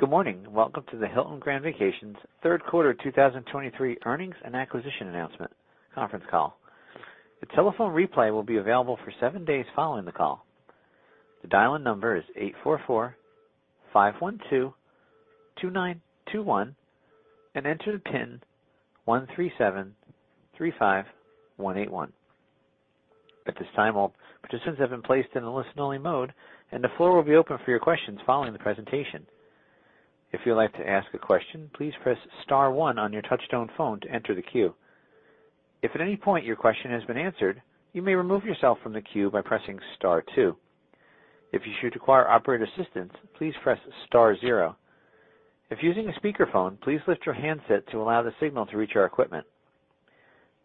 Good morning, and welcome to the Hilton Grand Vacations third quarter 2023 earnings and acquisition announcement conference call. The telephone replay will be available for seven days following the call. The dial-in number is 844-512-2921, and enter the PIN 13735181. At this time, all participants have been placed in a listen-only mode, and the floor will be open for your questions following the presentation. If you'd like to ask a question, please press star one on your touchtone phone to enter the queue. If at any point your question has been answered, you may remove yourself from the queue by pressing star two. If you should require operator assistance, please press star zero. If using a speakerphone, please lift your handset to allow the signal to reach our equipment.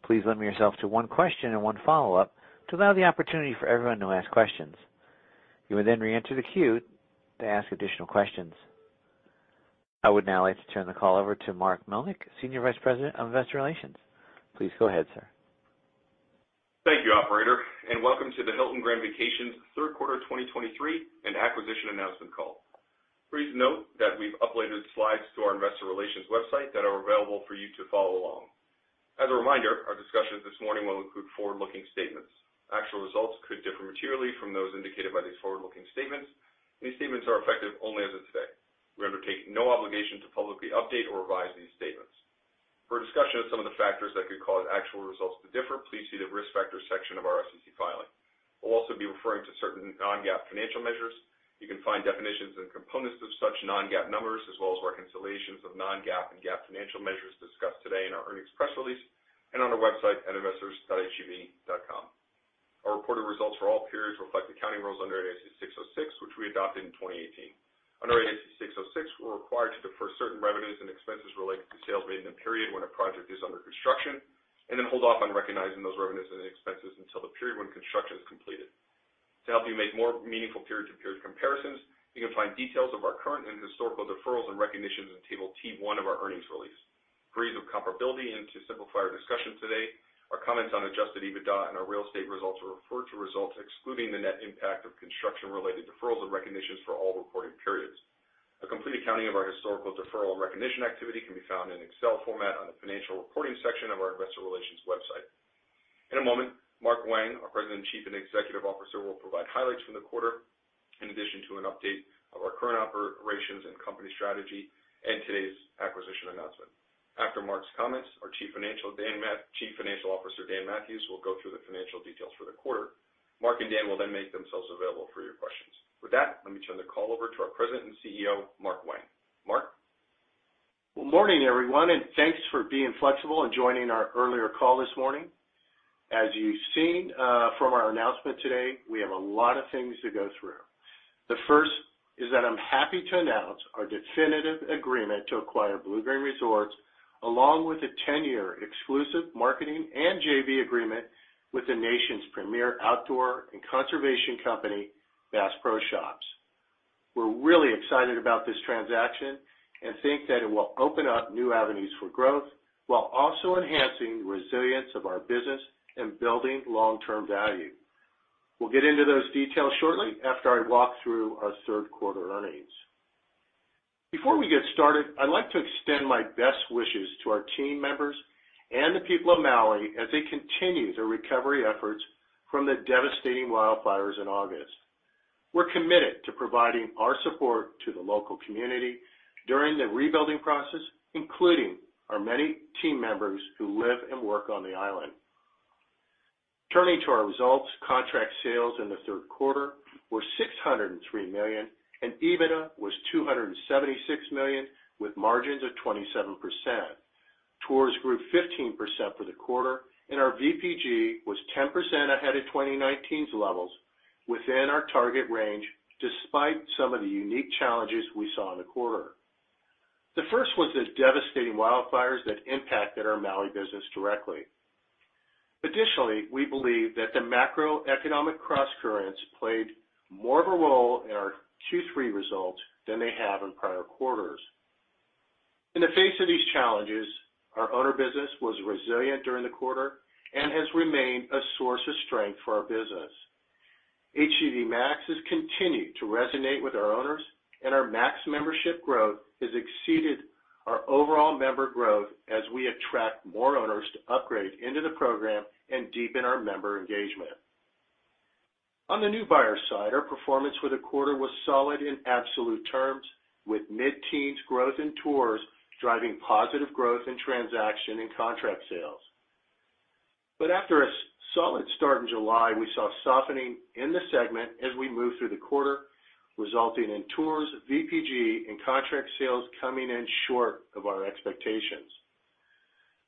Please limit yourself to one question and one follow-up to allow the opportunity for everyone to ask questions. You may then reenter the queue to ask additional questions. I would now like to turn the call over to Mark Melnyk, Senior Vice President of Investor Relations. Please go ahead, sir. Thank you, operator, and welcome to the Hilton Grand Vacations third quarter 2023 and acquisition announcement call. Please note that we've uploaded slides to our investor relations website that are available for you to follow along. As a reminder, our discussions this morning will include forward-looking statements. Actual results could differ materially from those indicated by these forward-looking statements. These statements are effective only as of today. We undertake no obligation to publicly update or revise these statements. For a discussion of some of the factors that could cause actual results to differ, please see the Risk Factors section of our SEC filing. We'll also be referring to certain non-GAAP financial measures. You can find definitions and components of such non-GAAP numbers, as well as reconciliations of non-GAAP and GAAP financial measures discussed today in our earnings press release and on our website at investors.hgv.com. Our reported results for all periods reflect accounting rules under ASC 606, which we adopted in 2018. Under ASC 606, we're required to defer certain revenues and expenses related to sales made in the period when a project is under construction, and then hold off on recognizing those revenues and expenses until the period when construction is completed. To help you make more meaningful period-to-period comparisons, you can find details of our current and historical deferrals and recognitions in Table T-1 of our earnings release. For ease of comparability and to simplify our discussion today, our comments on Adjusted EBITDA and our real estate results refer to results excluding the net impact of construction-related deferrals and recognitions for all reporting periods. A complete accounting of our historical deferral and recognition activity can be found in Excel format on the Financial Reporting section of our Investor Relations website. In a moment, Mark Wang, our President and Chief Executive Officer, will provide highlights from the quarter, in addition to an update of our current operations and company strategy and today's acquisition announcement. After Mark's comments, our Chief Financial-- Dan Mathewes, Chief Financial Officer Dan Mathewes, will go through the financial details for the quarter. Mark and Dan will then make themselves available for your questions. With that, let me turn the call over to our President and CEO, Mark Wang. Mark? Good morning, everyone, and thanks for being flexible and joining our earlier call this morning. As you've seen from our announcement today, we have a lot of things to go through. The first is that I'm happy to announce our definitive agreement to acquire Bluegreen Vacations, along with a 10-year exclusive marketing and JV agreement with the nation's premier outdoor and conservation company, Bass Pro Shops. We're really excited about this transaction and think that it will open up new avenues for growth while also enhancing the resilience of our business and building long-term value. We'll get into those details shortly after I walk through our third quarter earnings. Before we get started, I'd like to extend my best wishes to our team members and the people of Maui as they continue their recovery efforts from the devastating wildfires in August. We're committed to providing our support to the local community during the rebuilding process, including our many team members who live and work on the island. Turning to our results, contract sales in the third quarter were $603 million, and EBITDA was $276 million, with margins of 27%. Tours grew 15% for the quarter, and our VPG was 10% ahead of 2019's levels within our target range, despite some of the unique challenges we saw in the quarter. The first was the devastating wildfires that impacted our Maui business directly. Additionally, we believe that the macroeconomic crosscurrents played more of a role in our Q3 results than they have in prior quarters. In the face of these challenges, our owner business was resilient during the quarter and has remained a source of strength for our business. HGV Max has continued to resonate with our owners, and our Max membership growth has exceeded our overall member growth as we attract more owners to upgrade into the program and deepen our member engagement. On the new buyer side, our performance for the quarter was solid in absolute terms, with mid-teens growth in tours driving positive growth in transaction and contract sales. But after a solid start in July, we saw a softening in the segment as we moved through the quarter, resulting in tours, VPG, and contract sales coming in short of our expectations.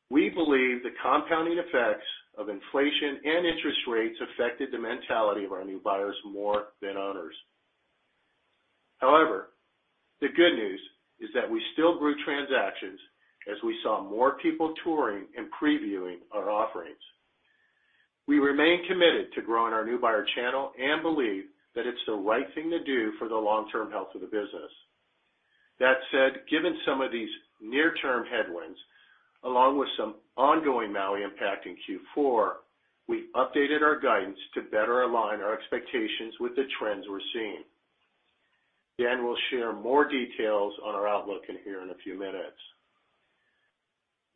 We believe the compounding effects of inflation and interest rates affected the mentality of our new buyers more than owners. However, the good news is that we still grew transactions as we saw more people touring and previewing our offerings. We remain committed to growing our new buyer channel and believe that it's the right thing to do for the long-term health of the business.... That said, given some of these near-term headwinds, along with some ongoing Maui impact in Q4, we updated our guidance to better align our expectations with the trends we're seeing. Dan will share more details on our outlook in here in a few minutes.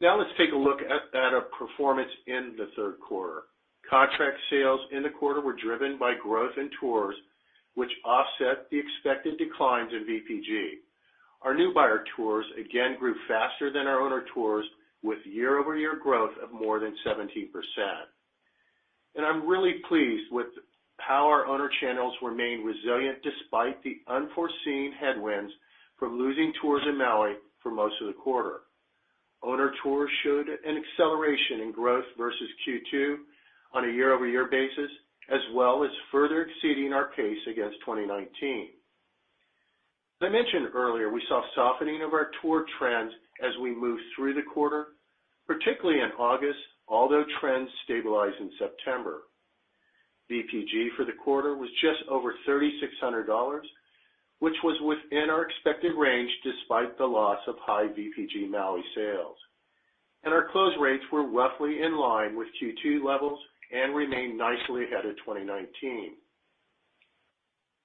Now let's take a look at our performance in the third quarter. Contract sales in the quarter were driven by growth in tours, which offset the expected declines in VPG. Our new buyer tours again grew faster than our owner tours, with year-over-year growth of more than 17%. And I'm really pleased with how our owner channels remained resilient despite the unforeseen headwinds from losing tours in Maui for most of the quarter. Owner tours showed an acceleration in growth versus Q2 on a year-over-year basis, as well as further exceeding our pace against 2019. As I mentioned earlier, we saw a softening of our tour trends as we moved through the quarter, particularly in August, although trends stabilized in September. VPG for the quarter was just over $3,600, which was within our expected range, despite the loss of high VPG Maui sales. Our close rates were roughly in line with Q2 levels and remained nicely ahead of 2019.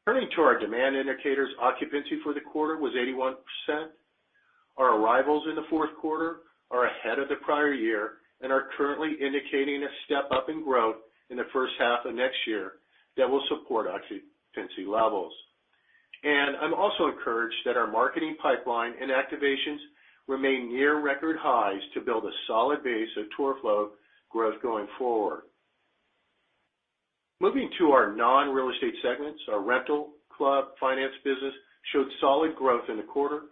Turning to our demand indicators, occupancy for the quarter was 81%. Our arrivals in the fourth quarter are ahead of the prior year and are currently indicating a step-up in growth in the first half of next year that will support occupancy levels. I'm also encouraged that our marketing pipeline and activations remain near record highs to build a solid base of tour flow growth going forward. Moving to our non-real estate segments, our rental club finance business showed solid growth in the quarter.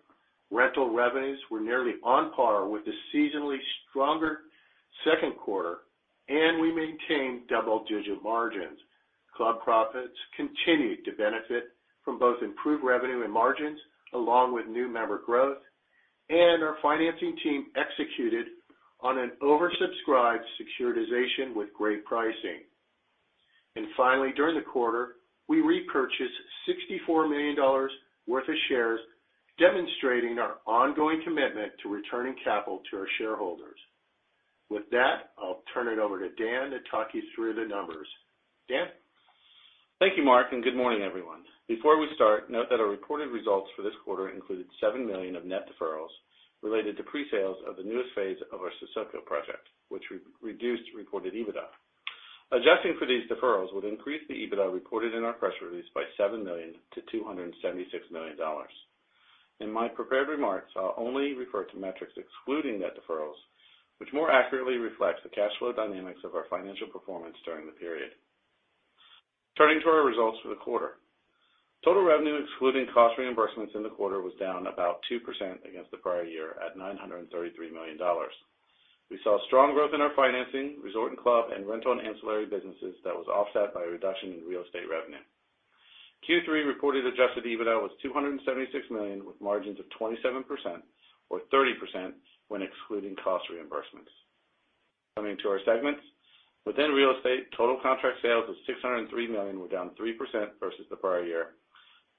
Rental revenues were nearly on par with the seasonally stronger second quarter, and we maintained double-digit margins. Club profits continued to benefit from both improved revenue and margins, along with new member growth, and our financing team executed on an oversubscribed securitization with great pricing. Finally, during the quarter, we repurchased $64 million worth of shares, demonstrating our ongoing commitment to returning capital to our shareholders. With that, I'll turn it over to Dan to talk you through the numbers. Dan? Thank you, Mark, and good morning, everyone. Before we start, note that our reported results for this quarter included $7 million of net deferrals related to presales of the newest phase of our Sosua project, which re-reduced reported EBITDA. Adjusting for these deferrals would increase the EBITDA reported in our press release by $7 million to $276 million. In my prepared remarks, I'll only refer to metrics excluding net deferrals, which more accurately reflects the cash flow dynamics of our financial performance during the period. Turning to our results for the quarter. Total revenue, excluding cost reimbursements in the quarter, was down about 2% against the prior year at $933 million. We saw strong growth in our financing, resort and club, and rental and ancillary businesses that was offset by a reduction in real estate revenue. Q3 reported Adjusted EBITDA was $276 million, with margins of 27%, or 30% when excluding cost reimbursements. Coming to our segments. Within real estate, total contract sales of $603 million were down 3% versus the prior year.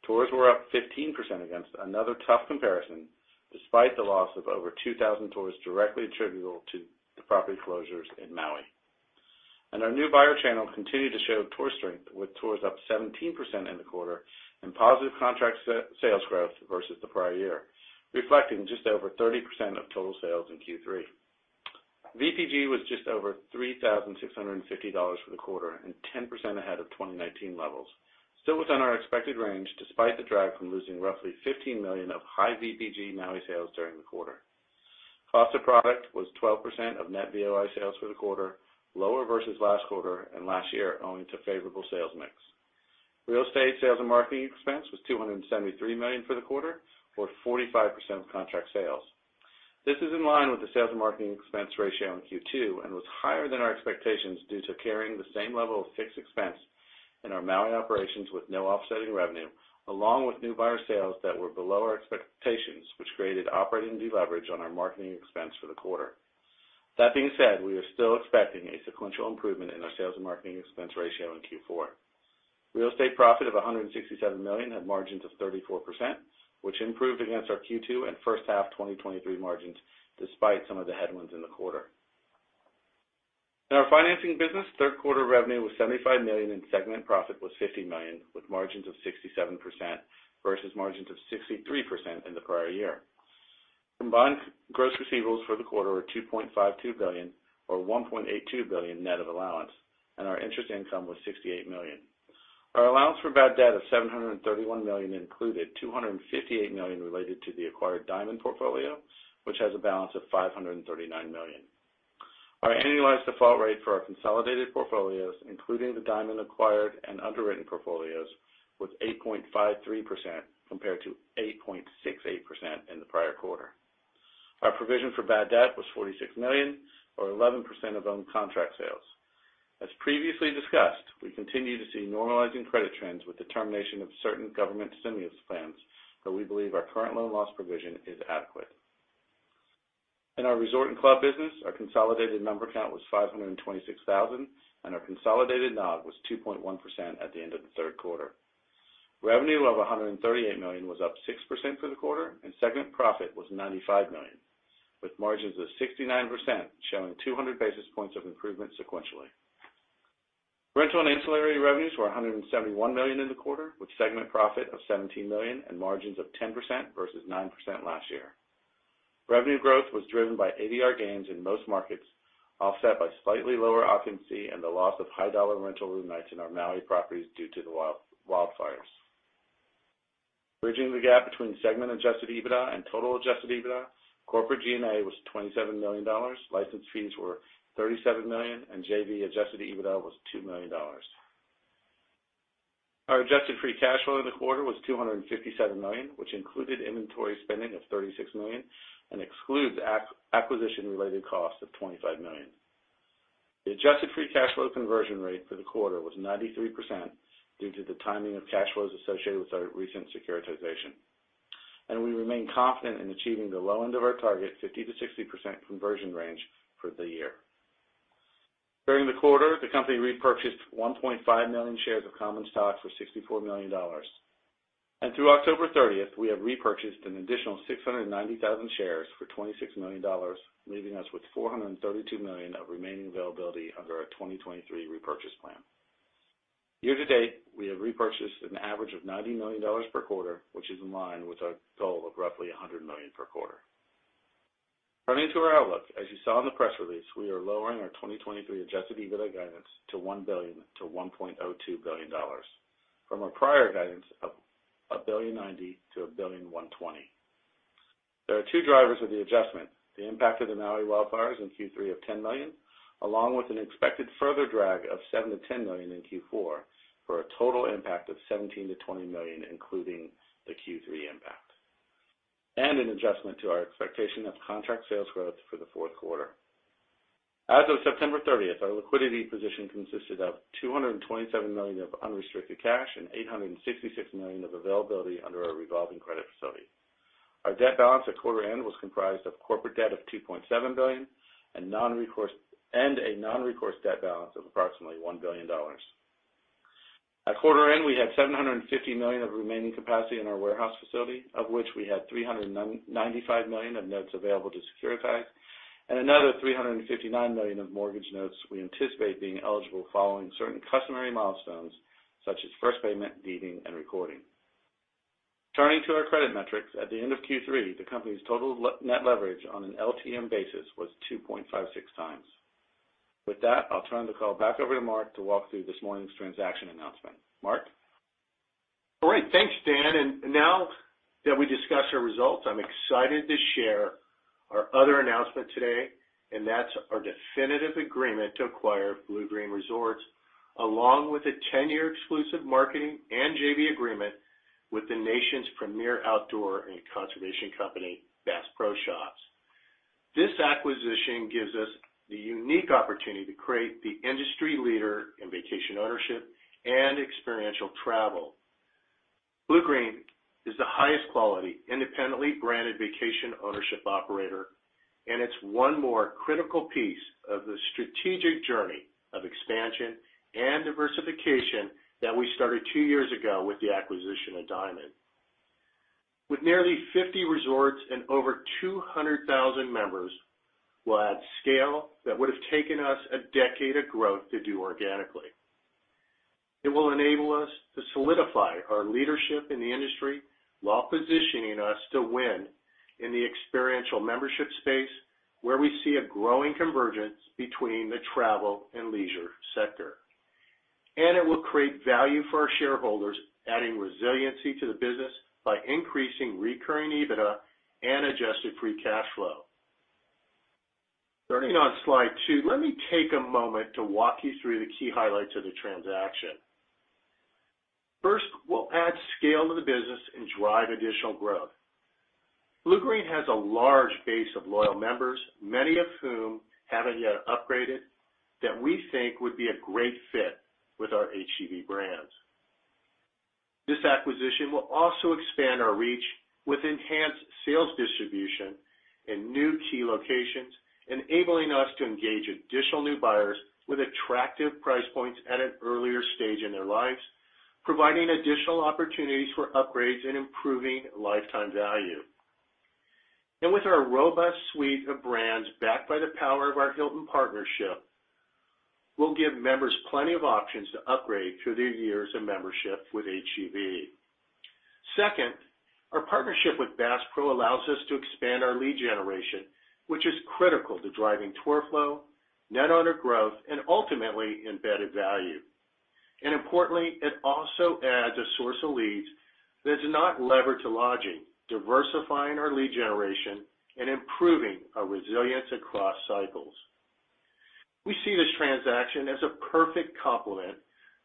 Tours were up 15% against another tough comparison, despite the loss of over 2,000 tours directly attributable to the property closures in Maui. Our new buyer channel continued to show tour strength, with tours up 17% in the quarter and positive contract sales growth versus the prior year, reflecting just over 30% of total sales in Q3. VPG was just over $3,650 for the quarter and 10% ahead of 2019 levels, still within our expected range, despite the drag from losing roughly $15 million of high VPG Maui sales during the quarter. Cost of product was 12% of net VOI sales for the quarter, lower versus last quarter and last year, owing to favorable sales mix. Real estate sales and marketing expense was $273 million for the quarter, or 45% of contract sales. This is in line with the sales and marketing expense ratio in Q2 and was higher than our expectations due to carrying the same level of fixed expense in our Maui operations, with no offsetting revenue, along with new buyer sales that were below our expectations, which created operating deleverage on our marketing expense for the quarter. That being said, we are still expecting a sequential improvement in our sales and marketing expense ratio in Q4. Real estate profit of $167 million had margins of 34%, which improved against our Q2 and first half 2023 margins, despite some of the headwinds in the quarter. In our financing business, third quarter revenue was $75 million, and segment profit was $50 million, with margins of 67%, versus margins of 63% in the prior year. Combined gross receivables for the quarter were $2.52 billion, or $1.82 billion net of allowance, and our interest income was $68 million. Our allowance for bad debt of $731 million included $258 million related to the acquired Diamond portfolio, which has a balance of $539 million. Our annualized default rate for our consolidated portfolios, including the Diamond acquired and underwritten portfolios, was 8.53%, compared to 8.68% in the prior quarter. Our provision for bad debt was $46 million, or 11% of owned contract sales. As previously discussed, we continue to see normalizing credit trends with the termination of certain government stimulus plans, but we believe our current loan loss provision is adequate. In our resort and club business, our consolidated member count was 526,000, and our consolidated NOG was 2.1% at the end of the third quarter. Revenue of $138 million was up 6% for the quarter, and segment profit was $95 million, with margins of 69%, showing 200 basis points of improvement sequentially. Rental and ancillary revenues were $171 million in the quarter, with segment profit of $17 million and margins of 10% versus 9% last year. Revenue growth was driven by ADR gains in most markets, offset by slightly lower occupancy and the loss of high dollar rental room nights in our Maui properties due to the wildfires. Bridging the gap between segment adjusted EBITDA and total adjusted EBITDA, corporate G&A was $27 million, license fees were $37 million, and JV adjusted EBITDA was $2 million. Our adjusted free cash flow in the quarter was $257 million, which included inventory spending of $36 million and excludes acquisition-related costs of $25 million. The adjusted free cash flow conversion rate for the quarter was 93%, due to the timing of cash flows associated with our recent securitization. We remain confident in achieving the low end of our target, 50%-60% conversion range for the year. During the quarter, the company repurchased 1.5 million shares of common stock for $64 million. Through October 30, we have repurchased an additional 690,000 shares for $26 million, leaving us with $432 million of remaining availability under our 2023 repurchase plan. Year to date, we have repurchased an average of $90 million per quarter, which is in line with our goal of roughly $100 million per quarter. Turning to our outlook, as you saw in the press release, we are lowering our 2023 Adjusted EBITDA guidance to $1 billion-$1.02 billion, from a prior guidance of $1.09 billion-$1.12 billion. There are two drivers of the adjustment: the impact of the Maui wildfires in Q3 of $10 million, along with an expected further drag of $7 million-$10 million in Q4, for a total impact of $17 million-$20 million, including the Q3 impact, and an adjustment to our expectation of contract sales growth for the fourth quarter. As of September 30th, our liquidity position consisted of $227 million of unrestricted cash and $866 million of availability under our revolving credit facility. Our debt balance at quarter end was comprised of corporate debt of $2.7 billion and non-recourse debt balance of approximately $1 billion. At quarter end, we had $750 million of remaining capacity in our warehouse facility, of which we had $395 million of notes available to securitize, and another $359 million of mortgage notes we anticipate being eligible following certain customary milestones, such as first payment, deeding, and recording. Turning to our credit metrics, at the end of Q3, the company's total net leverage on an LTM basis was 2.56x. With that, I'll turn the call back over to Mark to walk through this morning's transaction announcement. Mark? Great. Thanks, Dan. Now that we discussed our results, I'm excited to share our other announcement today, and that's our definitive agreement to acquire Bluegreen Vacations, along with a 10-year exclusive marketing and JV agreement with the nation's premier outdoor and conservation company, Bass Pro Shops. This acquisition gives us the unique opportunity to create the industry leader in vacation ownership and experiential travel. Bluegreen Vacations is the highest quality, independently branded vacation ownership operator, and it's one more critical piece of the strategic journey of expansion and diversification that we started two years ago with the acquisition of Diamond Resorts. With nearly 50 resorts and over 200,000 members, we'll add scale that would have taken us a decade of growth to do organically. It will enable us to solidify our leadership in the industry while positioning us to win in the experiential membership space, where we see a growing convergence between the travel and leisure sector. It will create value for our shareholders, adding resiliency to the business by increasing recurring EBITDA and Adjusted Free Cash Flow. Starting on slide two, let me take a moment to walk you through the key highlights of the transaction. First, we'll add scale to the business and drive additional growth. Bluegreen has a large base of loyal members, many of whom haven't yet upgraded, that we think would be a great fit with our HGV brands. This acquisition will also expand our reach with enhanced sales distribution in new key locations, enabling us to engage additional new buyers with attractive price points at an earlier stage in their lives, providing additional opportunities for upgrades and improving lifetime value. And with our robust suite of brands, backed by the power of our Hilton partnership, we'll give members plenty of options to upgrade through their years of membership with HGV. Second, our partnership with Bass Pro allows us to expand our lead generation, which is critical to driving tour flow, net owner growth, and ultimately, embedded value. And importantly, it also adds a source of leads that is not levered to lodging, diversifying our lead generation and improving our resilience across cycles. We see this transaction as a perfect complement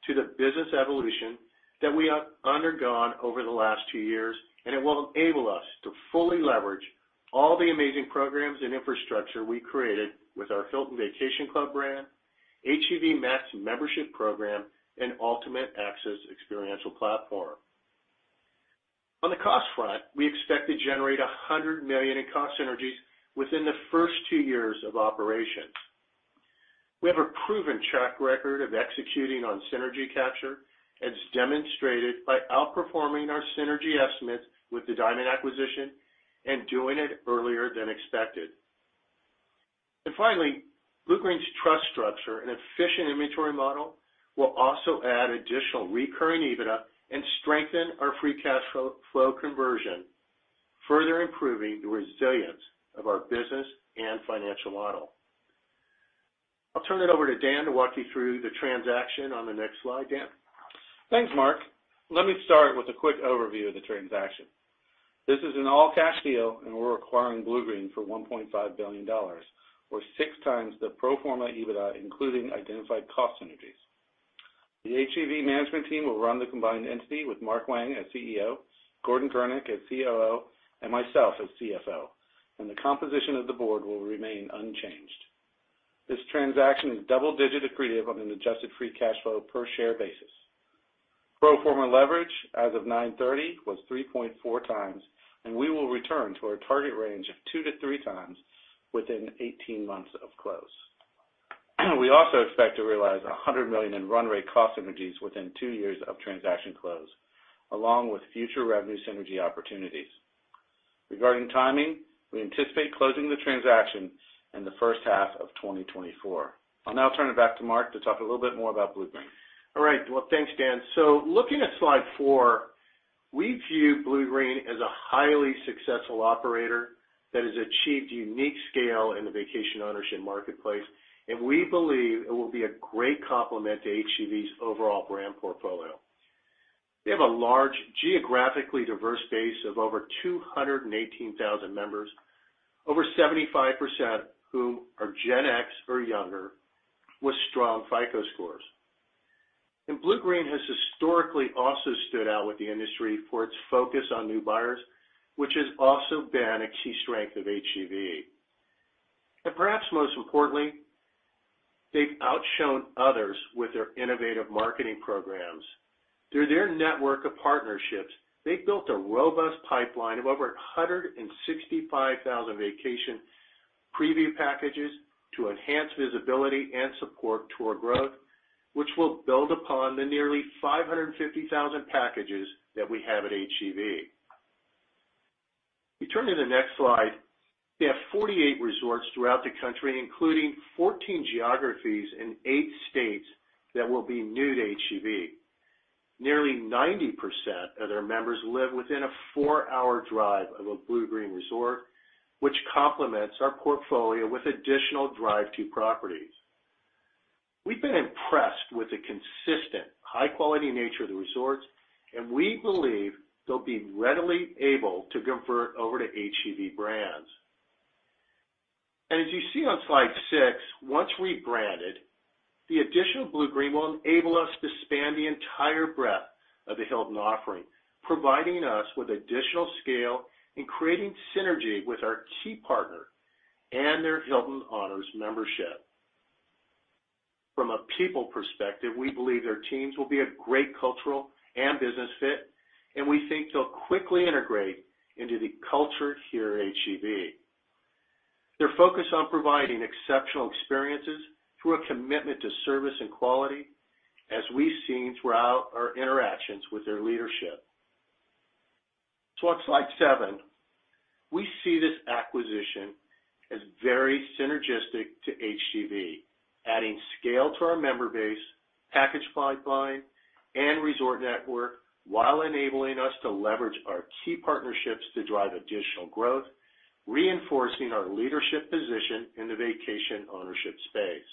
to the business evolution that we have undergone over the last two years, and it will enable us to fully leverage all the amazing programs and infrastructure we created with our Hilton Vacation Club brand, HGV Max membership program, and Ultimate Access experiential platform. On the cost front, we expect to generate $100 million in cost synergies within the first two years of operation. We have a proven track record of executing on synergy capture, as demonstrated by outperforming our synergy estimates with the Diamond acquisition and doing it earlier than expected. Finally, Bluegreen's trust structure and efficient inventory model will also add additional recurring EBITDA and strengthen our free cash flow, flow conversion, further improving the resilience of our business and financial model. I'll turn it over to Dan to walk you through the transaction on the next slide. Dan? Thanks, Mark. Let me start with a quick overview of the transaction. This is an all-cash deal, and we're acquiring Bluegreen for $1.5 billion, or 6x the pro forma EBITDA, including identified cost synergies. The HGV management team will run the combined entity with Mark Wang as CEO, Gordon Gurnik as COO, and myself as CFO, and the composition of the board will remain unchanged. This transaction is double-digit accretive on an adjusted free cash flow per share basis. Pro forma leverage as of 9/30 was 3.4x, and we will return to our target range of 2-3x within 18 months of close. We also expect to realize $100 million in run rate cost synergies within two years of transaction close, along with future revenue synergy opportunities. Regarding timing, we anticipate closing the transaction in the first half of 2024. I'll now turn it back to Mark to talk a little bit more about Bluegreen. All right. Well, thanks, Dan. So looking at slide four, we view Bluegreen as a highly successful operator that has achieved unique scale in the vacation ownership marketplace, and we believe it will be a great complement to HGV's overall brand portfolio. They have a large, geographically diverse base of over 218,000 members, over 75% whom are Gen X or younger, with strong FICO scores. And Bluegreen has historically also stood out with the industry for its focus on new buyers, which has also been a key strength of HGV. And perhaps most importantly, they've outshone others with their innovative marketing programs. Through their network of partnerships, they've built a robust pipeline of over 165,000 vacation preview packages to enhance visibility and support tour growth, which will build upon the nearly 550,000 packages that we have at HGV. If you turn to the next slide, they have 48 resorts throughout the country, including 14 geographies in eight states that will be new to HGV. Nearly 90% of their members live within a four-hour drive of a Bluegreen resort, which complements our portfolio with additional drive to properties. We've been impressed with the consistent high-quality nature of the resorts, and we believe they'll be readily able to convert over to HGV brands. As you see on slide six, once rebranded, the additional Bluegreen will enable us to span the entire breadth of the Hilton offering, providing us with additional scale and creating synergy with our key partner and their Hilton Honors membership. From a people perspective, we believe their teams will be a great cultural and business fit, and we think they'll quickly integrate into the culture here at HGV. They're focused on providing exceptional experiences through a commitment to service and quality, as we've seen throughout our interactions with their leadership. On slide seven, we see this acquisition as very synergistic to HGV, adding scale to our member base, package pipeline, and resort network, while enabling us to leverage our key partnerships to drive additional growth, reinforcing our leadership position in the vacation ownership space.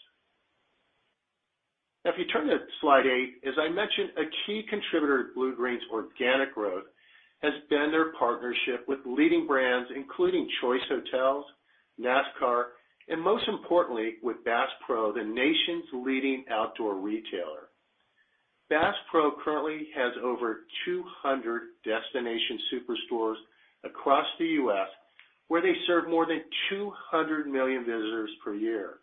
Now, if you turn to slide eight, as I mentioned, a key contributor to Bluegreen's organic growth has been their partnership with leading brands, including Choice Hotels, NASCAR, and most importantly, with Bass Pro, the nation's leading outdoor retailer. Bass Pro currently has over 200 destination superstores across the U.S., where they serve more than 200 million visitors per year,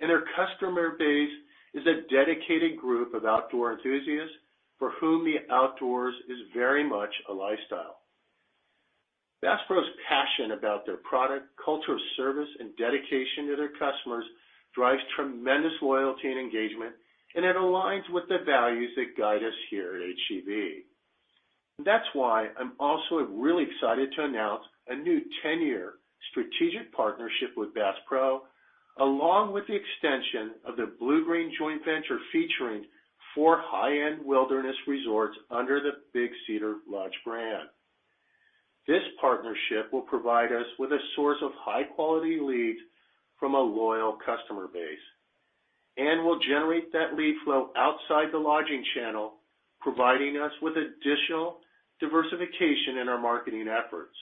and their customer base is a dedicated group of outdoor enthusiasts for whom the outdoors is very much a lifestyle. Bass Pro's passion about their product, culture of service, and dedication to their customers drives tremendous loyalty and engagement, and it aligns with the values that guide us here at HGV. That's why I'm also really excited to announce a new 10-year strategic partnership with Bass Pro, along with the extension of the Bluegreen joint venture, featuring four high-end wilderness resorts under the Big Cedar Lodge brand. This partnership will provide us with a source of high-quality leads from a loyal customer base and will generate that lead flow outside the lodging channel, providing us with additional diversification in our marketing efforts.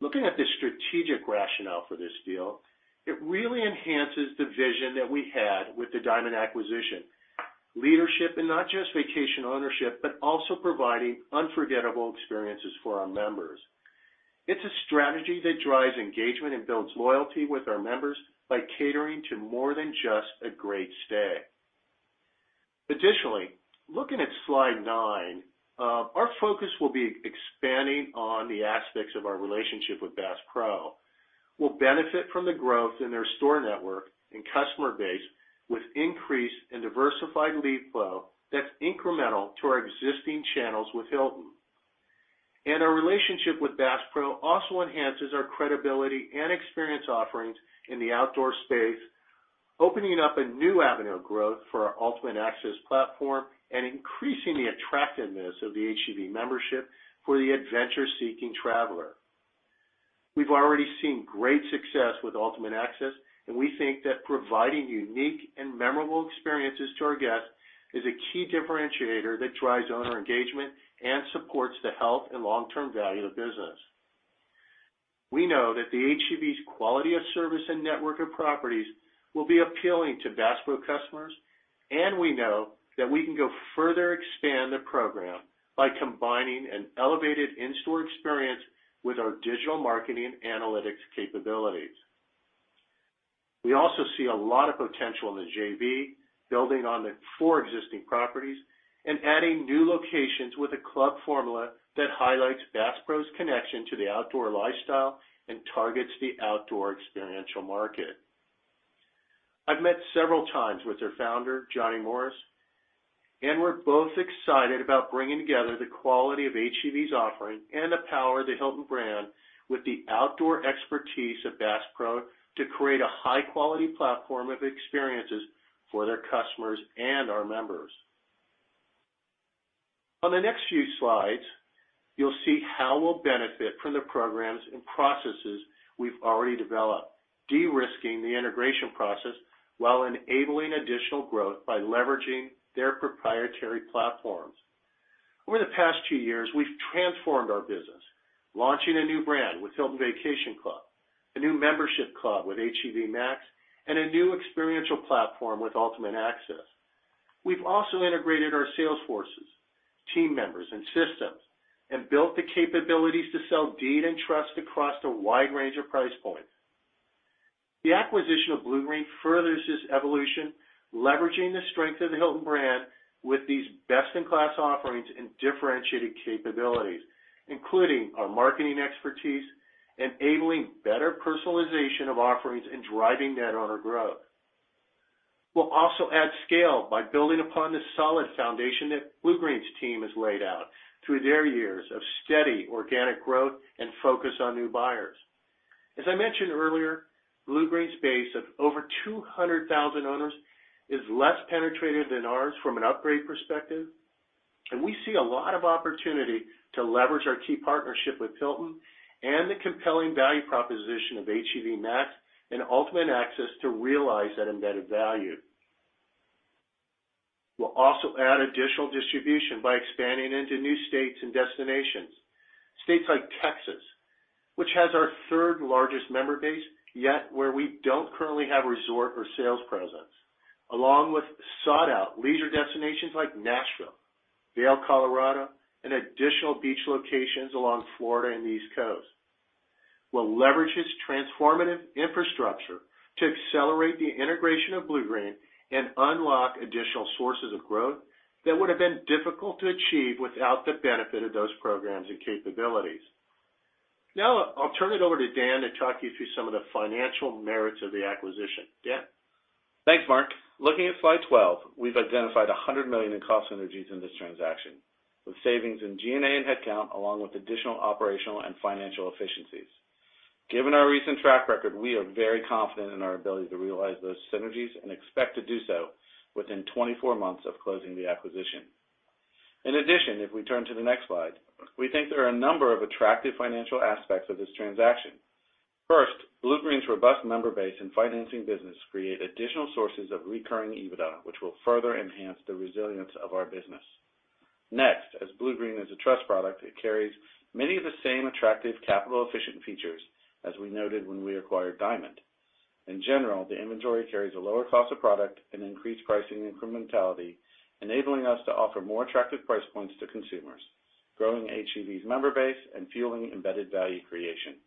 Looking at the strategic rationale for this deal, it really enhances the vision that we had with the Diamond acquisition. Leadership in not just vacation ownership, but also providing unforgettable experiences for our members... It's a strategy that drives engagement and builds loyalty with our members by catering to more than just a great stay. Additionally, looking at slide nine, our focus will be expanding on the aspects of our relationship with Bass Pro. We'll benefit from the growth in their store network and customer base, with increased and diversified lead flow that's incremental to our existing channels with Hilton. Our relationship with Bass Pro also enhances our credibility and experience offerings in the outdoor space, opening up a new avenue of growth for our Ultimate Access platform and increasing the attractiveness of the HGV membership for the adventure-seeking traveler. We've already seen great success with Ultimate Access, and we think that providing unique and memorable experiences to our guests is a key differentiator that drives owner engagement and supports the health and long-term value of the business. We know that the HGV's quality of service and network of properties will be appealing to Bass Pro customers, and we know that we can go further expand the program by combining an elevated in-store experience with our digital marketing and analytics capabilities. We also see a lot of potential in the JV, building on the four existing properties and adding new locations with a club formula that highlights Bass Pro's connection to the outdoor lifestyle and targets the outdoor experiential market. I've met several times with their founder, Johnny Morris, and we're both excited about bringing together the quality of HGV's offering and the power of the Hilton brand, with the outdoor expertise of Bass Pro, to create a high-quality platform of experiences for their customers and our members. On the next few slides, you'll see how we'll benefit from the programs and processes we've already developed, de-risking the integration process while enabling additional growth by leveraging their proprietary platforms. Over the past two years, we've transformed our business, launching a new brand with Hilton Vacation Club, a new membership club with HGV Max, and a new experiential platform with Ultimate Access. We've also integrated our sales forces, team members, and systems, and built the capabilities to sell deed and trust across a wide range of price points. The acquisition of Bluegreen furthers this evolution, leveraging the strength of the Hilton brand with these best-in-class offerings and differentiating capabilities, including our marketing expertise, enabling better personalization of offerings and driving net owner growth. We'll also add scale by building upon the solid foundation that Bluegreen's team has laid out through their years of steady organic growth and focus on new buyers. As I mentioned earlier, Bluegreen's base of over 200,000 owners is less penetrated than ours from an upgrade perspective, and we see a lot of opportunity to leverage our key partnership with Hilton and the compelling value proposition of HGV Max and Ultimate Access to realize that embedded value. We'll also add additional distribution by expanding into new states and destinations. States like Texas, which has our third-largest member base, yet where we don't currently have resort or sales presence, along with sought-after leisure destinations like Nashville, Vail, Colorado, and additional beach locations along Florida and the East Coast. We'll leverage this transformative infrastructure to accelerate the integration of Bluegreen and unlock additional sources of growth that would have been difficult to achieve without the benefit of those programs and capabilities. Now, I'll turn it over to Dan to talk you through some of the financial merits of the acquisition. Dan? Thanks, Mark. Looking at slide 12, we've identified $100 million in cost synergies in this transaction, with savings in G&A and headcount, along with additional operational and financial efficiencies. Given our recent track record, we are very confident in our ability to realize those synergies and expect to do so within 24 months of closing the acquisition. In addition, if we turn to the next slide, we think there are a number of attractive financial aspects of this transaction. First, Bluegreen's robust member base and financing business create additional sources of recurring EBITDA, which will further enhance the resilience of our business. Next, as Bluegreen is a trust product, it carries many of the same attractive capital-efficient features as we noted when we acquired Diamond. In general, the inventory carries a lower cost of product and increased pricing incrementality, enabling us to offer more attractive price points to consumers, growing HGV's member base and fueling embedded value creation.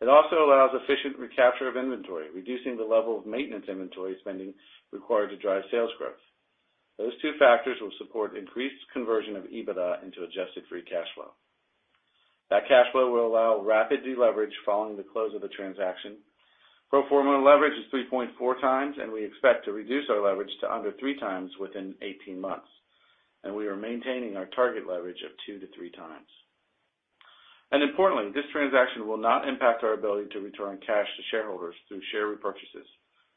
It also allows efficient recapture of inventory, reducing the level of maintenance inventory spending required to drive sales growth. Those two factors will support increased conversion of EBITDA into adjusted free cash flow. That cash flow will allow rapid deleverage following the close of the transaction. Pro forma leverage is 3.4x, and we expect to reduce our leverage to under 3x within 18 months, and we are maintaining our target leverage of 2x-3x. And importantly, this transaction will not impact our ability to return cash to shareholders through share repurchases,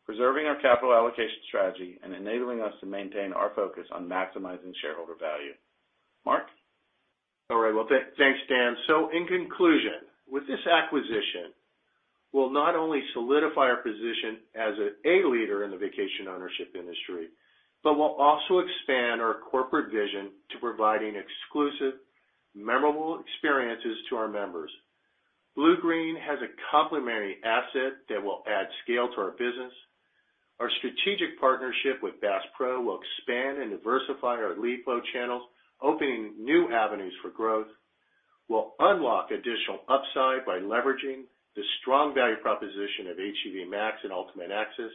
preserving our capital allocation strategy and enabling us to maintain our focus on maximizing shareholder value. Mark? All right, well, thanks, Dan. So in conclusion, with this acquisition, we'll not only solidify our position as a leader in the vacation ownership industry, but we'll also expand our corporate vision to providing exclusive, memorable experiences to our members. Bluegreen has a complementary asset that will add scale to our business. Our strategic partnership with Bass Pro will expand and diversify our lead flow channels, opening new avenues for growth, will unlock additional upside by leveraging the strong value proposition of HGV Max and Ultimate Access,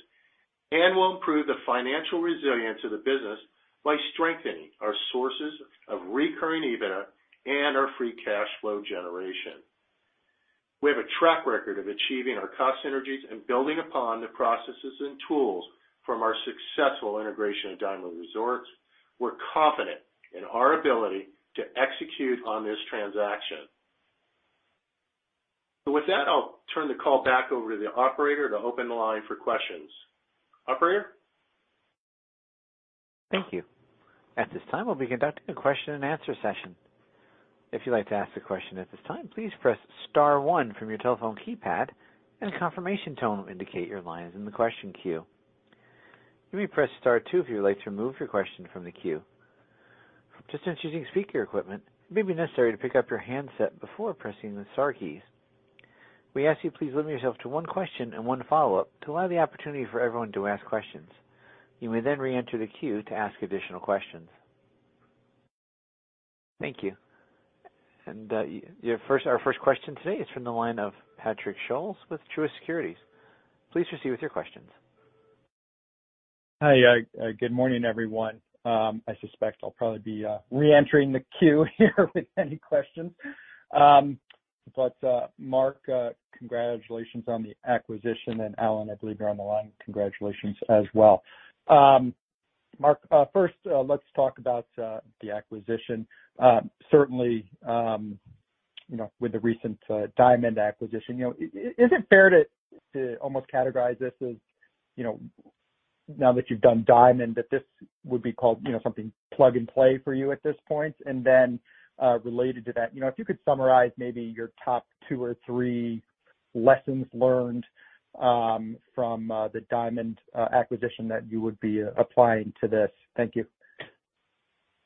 and will improve the financial resilience of the business by strengthening our sources of recurring EBITDA and our free cash flow generation. We have a track record of achieving our cost synergies and building upon the processes and tools from our successful integration of Diamond Resorts. We're confident in our ability to execute on this transaction. With that, I'll turn the call back over to the operator to open the line for questions. Operator? Thank you. At this time, we'll be conducting a question-and-answer session. If you'd like to ask a question at this time, please press star one from your telephone keypad, and a confirmation tone will indicate your line is in the question queue. You may press star two if you'd like to remove your question from the queue. Just since you're using speaker equipment, it may be necessary to pick up your handset before pressing the star keys. We ask you please limit yourself to one question and one follow-up to allow the opportunity for everyone to ask questions. You may then reenter the queue to ask additional questions. Thank you. Our first question today is from the line of Patrick Scholes with Truist Securities. Please proceed with your questions. Hi, good morning, everyone. I suspect I'll probably be reentering the queue here with any questions. But, Mark, congratulations on the acquisition, and Alan, I believe you're on the line, congratulations as well. Mark, first, let's talk about the acquisition. Certainly, you know, with the recent Diamond acquisition, you know, is it fair to almost categorize this as, you know, now that you've done Diamond, that this would be called, you know, something plug and play for you at this point? And then, related to that, you know, if you could summarize maybe your top two or three lessons learned from the Diamond acquisition that you would be applying to this. Thank you.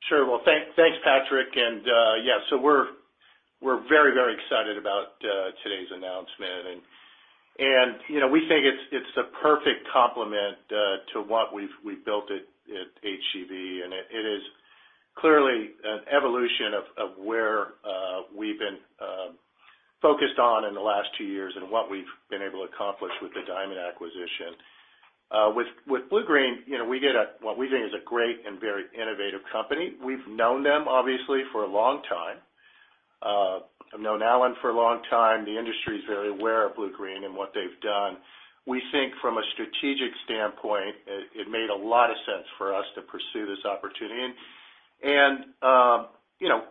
Sure. Well, thanks, Patrick, and yeah, so we're very, very excited about today's announcement. And you know, we think it's the perfect complement to what we've built at HGV, and it is clearly an evolution of where we've been focused on in the last two years and what we've been able to accomplish with the Diamond acquisition. With Bluegreen, you know, we get a what we think is a great and very innovative company. We've known them, obviously, for a long time. I've known Alan for a long time. The industry is very aware of Bluegreen and what they've done. We think from a strategic standpoint, it made a lot of sense for us to pursue this opportunity. And, you know,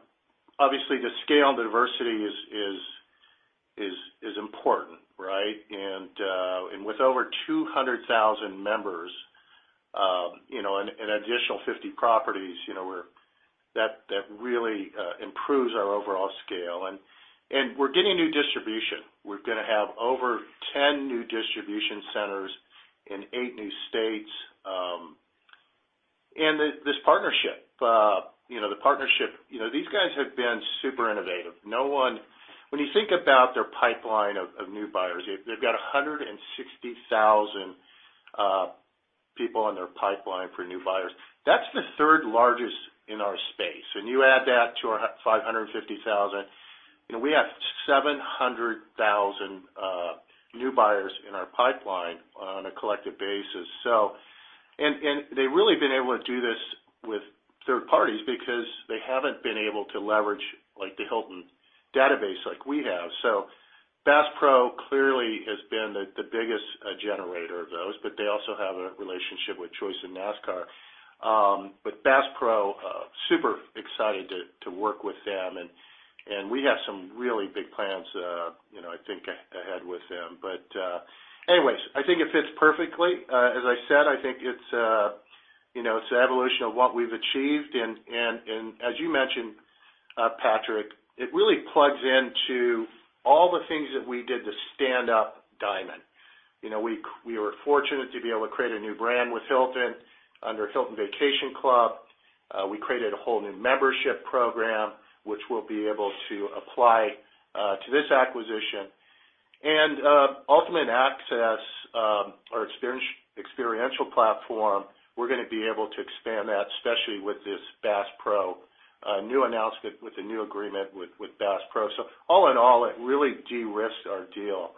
obviously, the scale and the diversity is important, right? And with over 200,000 members, you know, and additional 50 properties, you know, we're... That really improves our overall scale. And we're getting new distribution. We're gonna have over 10 new distribution centers in eight new states. And this partnership, you know, the partnership, you know, these guys have been super innovative. No one, when you think about their pipeline of new buyers, they've got 160,000 people in their pipeline for new buyers. That's the third largest in our space. When you add that to our 550,000, you know, we have 700,000 new buyers in our pipeline on a collective basis. So they've really been able to do this with third parties because they haven't been able to leverage, like, the Hilton database like we have. So Bass Pro clearly has been the biggest generator of those, but they also have a relationship with Choice and NASCAR. But Bass Pro super excited to work with them, and we have some really big plans, you know, I think, ahead with them. But anyways, I think it fits perfectly. As I said, I think it's, you know, it's an evolution of what we've achieved. And as you mentioned, Patrick, it really plugs into all the things that we did to stand up Diamond. You know, we were fortunate to be able to create a new brand with Hilton under Hilton Vacation Club. We created a whole new membership program, which we'll be able to apply to this acquisition. And Ultimate Access, our experiential platform, we're gonna be able to expand that, especially with this Bass Pro new announcement with the new agreement with Bass Pro. So all in all, it really de-risks our deal.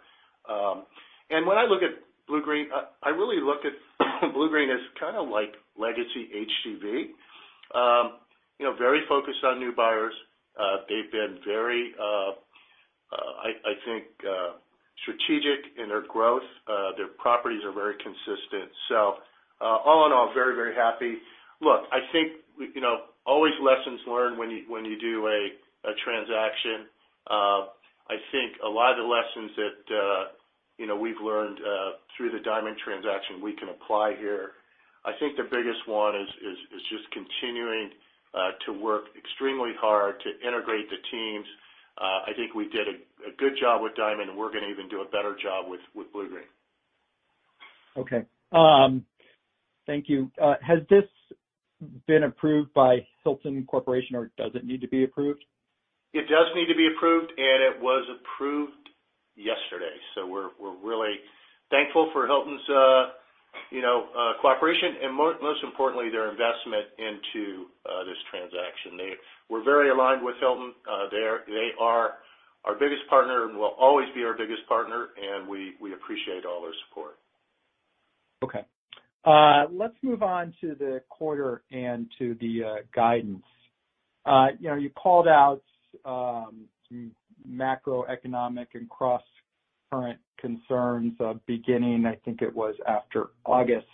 And when I look at Bluegreen, I really look at Bluegreen as kind of like legacy HGV. You know, very focused on new buyers. They've been very strategic in their growth. Their properties are very consistent. So all in all, very, very happy. Look, I think we, you know, always lessons learned when you do a transaction. I think a lot of the lessons that, you know, we've learned through the Diamond transaction, we can apply here. I think the biggest one is just continuing to work extremely hard to integrate the teams. I think we did a good job with Diamond, and we're gonna even do a better job with Bluegreen. Okay, thank you. Has this been approved by Hilton Corporation or does it need to be approved? It does need to be approved, and it was approved yesterday. So we're really thankful for Hilton's you know cooperation and most importantly, their investment into this transaction. We're very aligned with Hilton. They are our biggest partner and will always be our biggest partner, and we appreciate all their support. Okay. Let's move on to the quarter and to the guidance. You know, you called out some macroeconomic and cross-current concerns beginning, I think it was after August.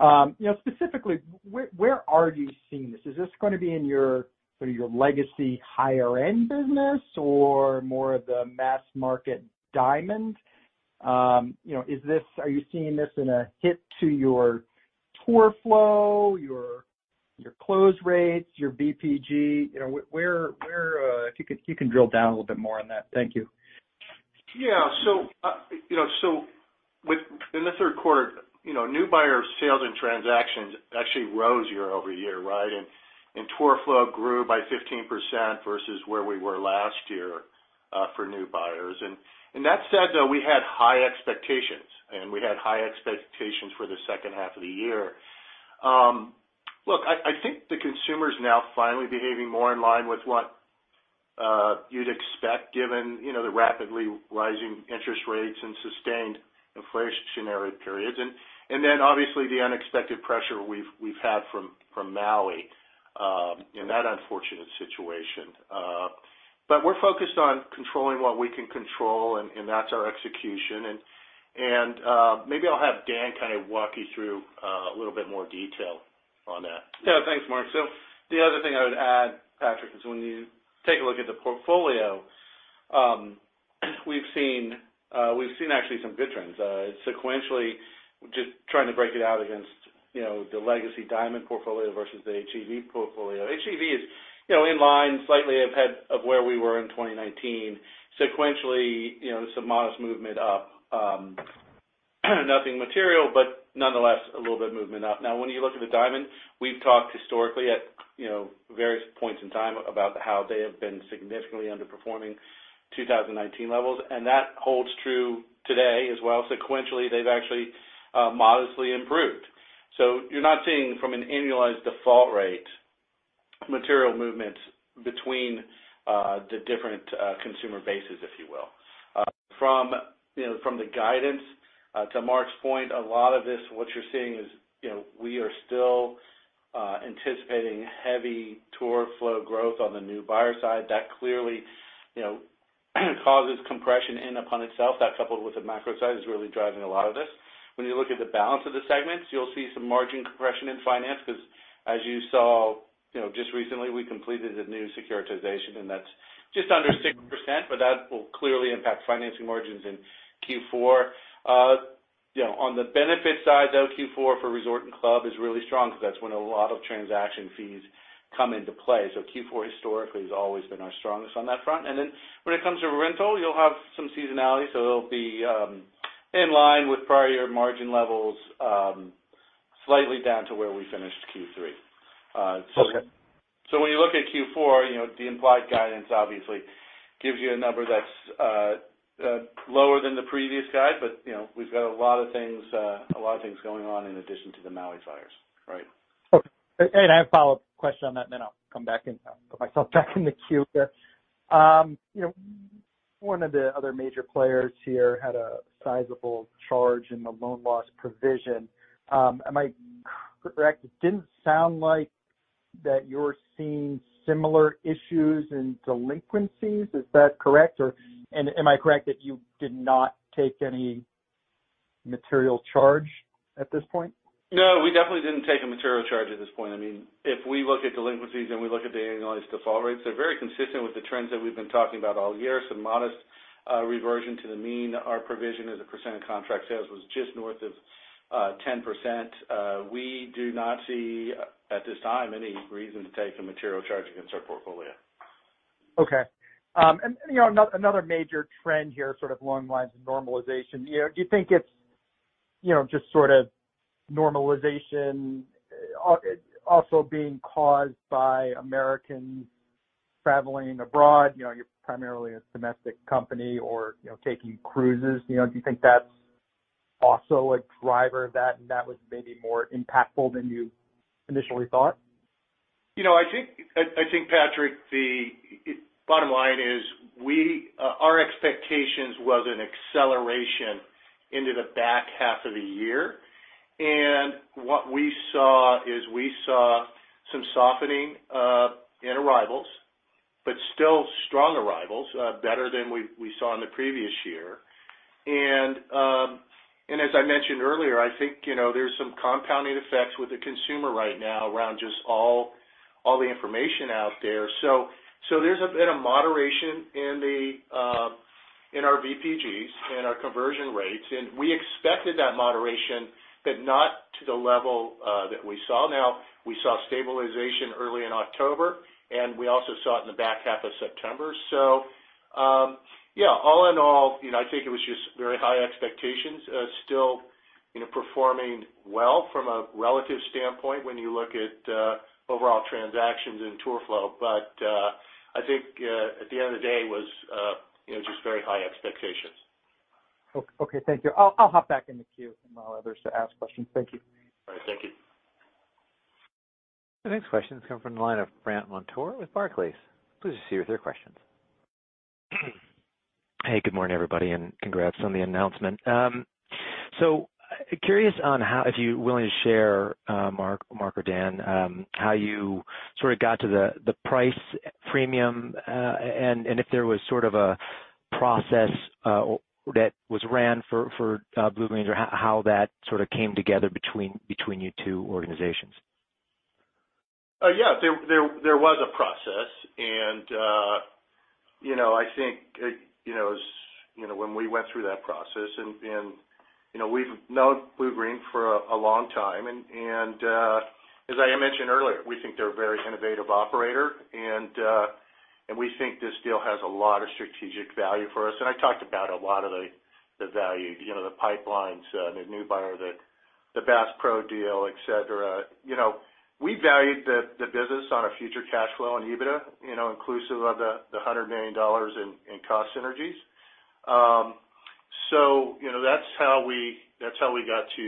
You know, specifically, where are you seeing this? Is this going to be in your, sort of your legacy higher-end business or more of the mass-market Diamond? You know, is this... Are you seeing this in a hit to your tour flow, your close rates, your VPG? You know, where, if you could—if you can drill down a little bit more on that. Thank you. Yeah. So, you know, so within the third quarter, you know, new buyer sales and transactions actually rose year-over-year, right? And tour flow grew by 15% versus where we were last year, for new buyers. And that said, though, we had high expectations, and we had high expectations for the second half of the year. Look, I think the consumer is now finally behaving more in line with what you'd expect, given, you know, the rapidly rising interest rates and sustained inflationary periods. And then obviously, the unexpected pressure we've had from Maui in that unfortunate situation. But we're focused on controlling what we can control, and that's our execution. And maybe I'll have Dan kind of walk you through a little bit more detail on that. Yeah. Thanks, Mark. So the other thing I would add, Patrick, is when you take a look at the portfolio, we've seen, we've seen actually some good trends. Sequentially, just trying to break it out against, you know, the legacy Diamond portfolio versus the HGV portfolio. HGV is, you know, in line, slightly ahead of where we were in 2019. Sequentially, you know, some modest movement up, nothing material, but nonetheless, a little bit of movement up. Now, when you look at the Diamond, we've talked historically at, you know, various points in time about how they have been significantly underperforming 2019 levels, and that holds true today as well. Sequentially, they've actually, modestly improved. So you're not seeing from an annualized default rate, material movement between, the different, consumer bases, if you will. From the guidance, you know, to Mark's point, a lot of this, what you're seeing is, you know, we are still anticipating heavy tour flow growth on the new buyer side. That clearly, you know, causes compression in upon itself. That, coupled with the macro side, is really driving a lot of this. When you look at the balance of the segments, you'll see some margin compression in finance because, as you saw, you know, just recently, we completed a new securitization, and that's just under 6%, but that will clearly impact financing margins in Q4. You know, on the benefit side, though, Q4 for Resort and Club is really strong because that's when a lot of transaction fees come into play. So Q4 historically has always been our strongest on that front. And then when it comes to rental, you'll have some seasonality, so it'll be in line with prior margin levels, slightly down to where we finished Q3. Okay. So when you look at Q4, you know, the implied guidance obviously gives you a number that's lower than the previous guide, but, you know, we've got a lot of things, a lot of things going on in addition to the Maui fires. Right. Okay. I have a follow-up question on that, and then I'll come back and put myself back in the queue here. You know, one of the other major players here had a sizable charge in the loan loss provision. Am I correct? It didn't sound like that you're seeing similar issues in delinquencies. Is that correct, or... And am I correct that you did not take any material charge at this point? No, we definitely didn't take a material charge at this point. I mean, if we look at delinquencies and we look at the annualized default rates, they're very consistent with the trends that we've been talking about all year. Some modest, reversion to the mean. Our provision as a percent of contract sales was just north of, 10%. We do not see, at this time, any reason to take a material charge against our portfolio. Okay. And, you know, another major trend here, sort of along the lines of normalization. Do you think it's, you know, just sort of normalization also being caused by Americans traveling abroad? You know, you're primarily a domestic company or, you know, taking cruises. You know, do you think that's also a driver of that, and that was maybe more impactful than you initially thought? You know, I think, I, I think, Patrick, the bottom line is we, our expectations was an acceleration into the back half of the year. And what we saw is we saw some softening in arrivals, but still strong arrivals, better than we, we saw in the previous year. And, and as I mentioned earlier, I think, you know, there's some compounding effects with the consumer right now around just all, all the information out there. So, so there's been a moderation in the, in our VPGs and our conversion rates, and we expected that moderation, but not to the level that we saw. Now, we saw stabilization early in October, and we also saw it in the back half of September. So, yeah, all in all, you know, I think it was just very high expectations. Still, you know, performing well from a relative standpoint when you look at overall transactions and tour flow. But, I think at the end of the day was, you know, just very high expectations. Okay, thank you. I'll hop back in the queue and while others ask questions. Thank you. All right, thank you. The next question comes from the line of Brandt Montour with Barclays. Please proceed with your questions. Hey, good morning, everybody, and congrats on the announcement. So curious on how—if you're willing to share, Mark or Dan, how you sort of got to the price premium, and if there was sort of a process that was ran for Bluegreen, or how that sort of came together between you two organizations? Yeah, there was a process. And, you know, I think as you know, when we went through that process and, you know, we've known Bluegreen for a long time, and, as I mentioned earlier, we think they're a very innovative operator, and we think this deal has a lot of strategic value for us. And I talked about a lot of the value, you know, the pipelines, the new buyer, the Bass Pro deal, et cetera. You know, we valued the business on a future cash flow and EBITDA, you know, inclusive of the $100 million in cost synergies. So, you know, that's how we got to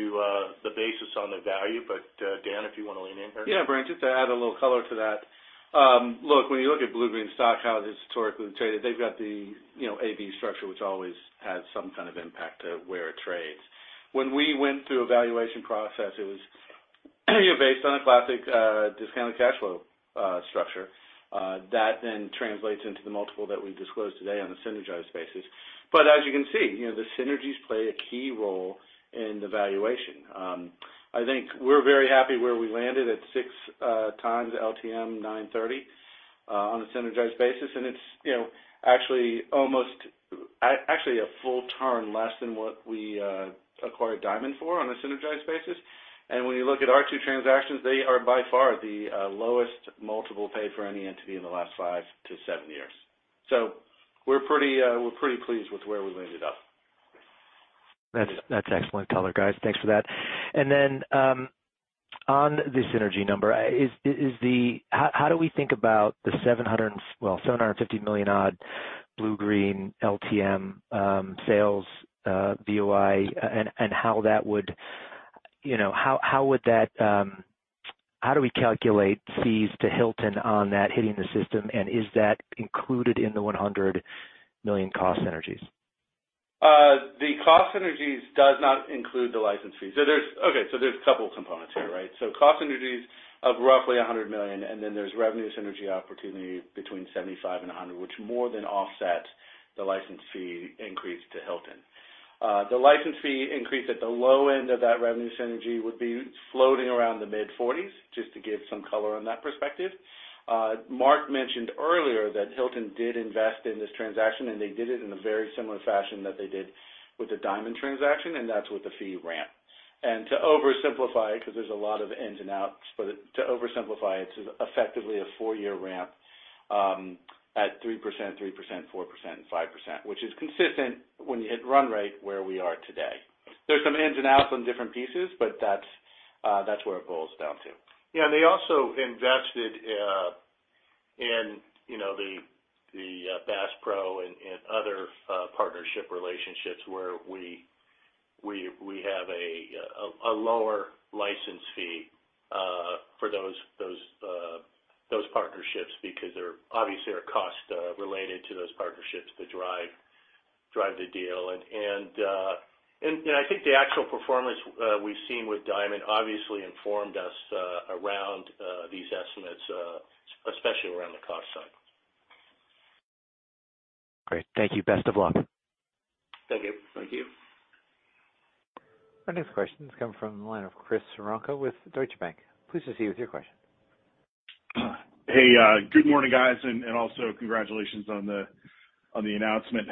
the basis on the value. But, Dan, if you want to lean in here. Yeah, Brandt, just to add a little color to that. Look, when you look at Bluegreen's stock, how they historically traded, they've got the, you know, AB structure, which always has some kind of impact to where it trades. When we went through a valuation process, it was, you know, based on a classic, discounted cash flow, structure. That then translates into the multiple that we disclosed today on a synergized basis. But as you can see, you know, the synergies play a key role in the valuation. I think we're very happy where we landed at 6x LTM 9/30 on a synergized basis, and it's, you know, actually almost actually a full turn less than what we acquired Diamond for on a synergized basis. When you look at our two transactions, they are by far the lowest multiple paid for any entity in the last five-seven years. So we're pretty, we're pretty pleased with where we landed up. That's, that's excellent color, guys. Thanks for that. And then, on the synergy number, is, is the... How, how do we think about the $750 million odd Bluegreen LTM sales, BOI, and, and how that would, you know, how, how would that, how do we calculate fees to Hilton on that hitting the system, and is that included in the $100 million cost synergies? The cost synergies does not include the license fee. So there's... Okay, so there's a couple components here, right? So cost synergies of roughly $100 million, and then there's revenue synergy opportunity between $75 million and $100 million, which more than offset the license fee increase to Hilton. The license fee increase at the low end of that revenue synergy would be floating around the mid-forties, just to give some color on that perspective. Mark mentioned earlier that Hilton did invest in this transaction, and they did it in a very similar fashion that they did with the Diamond transaction, and that's with the fee ramp. To oversimplify, because there's a lot of ins and outs, but to oversimplify it, it's effectively a four-year ramp at 3%, 3%, 4%, and 5%, which is consistent when you hit run rate where we are today. There's some ins and outs on different pieces, but that's, that's where it boils down to. Yeah, they also invested in, you know, the Bass Pro and other partnership relationships, where we have a lower license fee for those partnerships because there obviously are costs related to those partnerships that drive the deal. And you know, I think the actual performance we've seen with Diamond obviously informed us around these estimates, especially around the cost side. Great. Thank you. Best of luck. Thank you. Thank you. Our next question comes from the line of Chris Woronka with Deutsche Bank. Please proceed with your question. Hey, good morning, guys, and also congratulations on the announcement.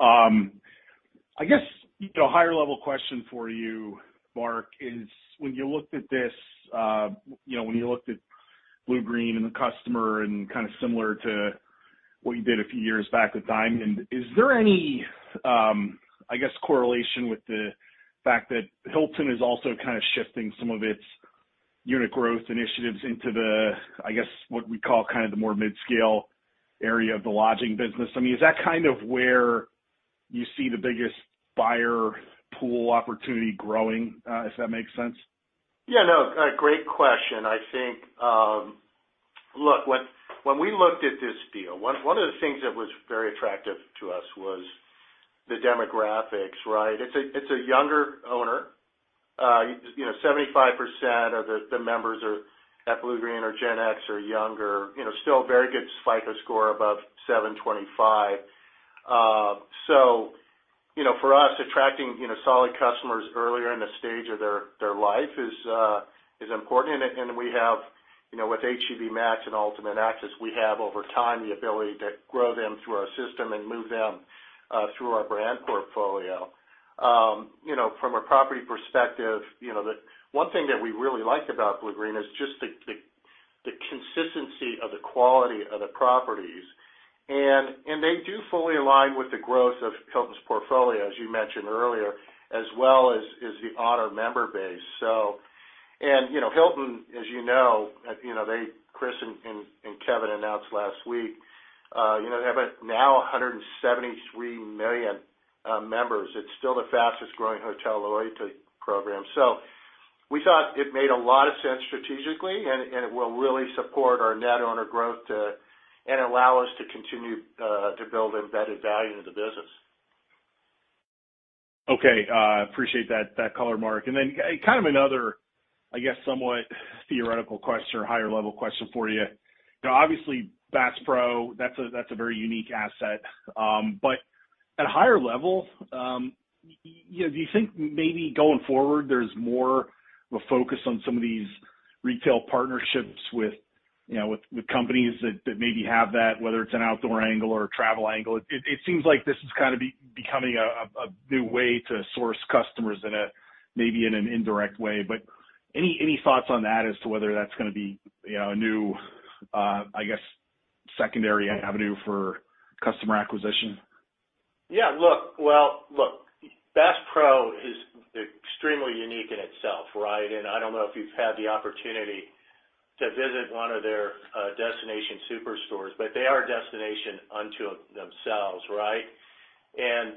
I guess a higher level question for you, Mark, is when you looked at this, you know, when you looked at Bluegreen and the customer and kind of similar to what you did a few years back with Diamond, is there any, I guess, correlation with the fact that Hilton is also kind of shifting some of its unit growth initiatives into the, I guess, what we call kind of the more mid-scale area of the lodging business? I mean, is that kind of where you see the biggest buyer pool opportunity growing, if that makes sense? Yeah, no, a great question. I think... Look, when, when we looked at this deal, one, one of the things that was very attractive to us was the demographics, right? It's a, it's a younger owner. You know, 75% of the, the members are at Bluegreen are Gen X or younger, you know, still a very good FICO score above 725. So, you know, for us, attracting, you know, solid customers earlier in the stage of their, their life is, is important. And we have, you know, with HGV Max and Ultimate Access, we have over time, the ability to grow them through our system and move them, through our brand portfolio. You know, from a property perspective, you know, the one thing that we really like about Bluegreen is just the the consistency of the quality of the properties. They do fully align with the growth of Hilton's portfolio, as you mentioned earlier, as well as the Honor member base. So, you know, Hilton, as you know, Chris and Kevin announced last week, you know, they now have 173 million members. It's still the fastest growing hotel loyalty program. So we thought it made a lot of sense strategically, and it will really support our net owner growth and allow us to continue to build embedded value in the business. Okay, appreciate that, that color, Mark. And then kind of another, I guess, somewhat theoretical question or higher level question for you. You know, obviously, Bass Pro, that's a, that's a very unique asset. But at a higher level, you know, do you think maybe going forward, there's more of a focus on some of these retail partnerships with, you know, with, with companies that, that maybe have that, whether it's an outdoor angle or a travel angle? It seems like this is kind of becoming a, a new way to source customers in a, maybe in an indirect way. But any, any thoughts on that as to whether that's gonna be, you know, a new, I guess, secondary avenue for customer acquisition? Yeah, look. Well, look, Bass Pro is extremely unique in itself, right? And I don't know if you've had the opportunity to visit one of their destination superstores, but they are a destination unto themselves, right? And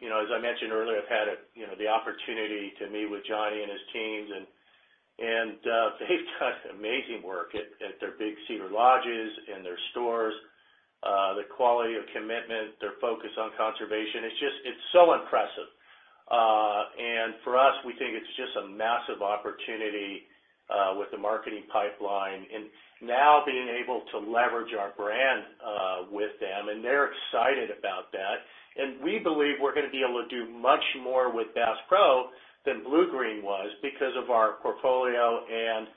you know, as I mentioned earlier, I've had you know the opportunity to meet with Johnny and his teams, and they've done amazing work at their Big Cedar Lodge and their stores. The quality of commitment, their focus on conservation, it's just it's so impressive. And for us, we think it's just a massive opportunity with the marketing pipeline. And now being able to leverage our brand with them, and they're excited about that. We believe we're gonna be able to do much more with Bass Pro than Bluegreen was because of our portfolio and,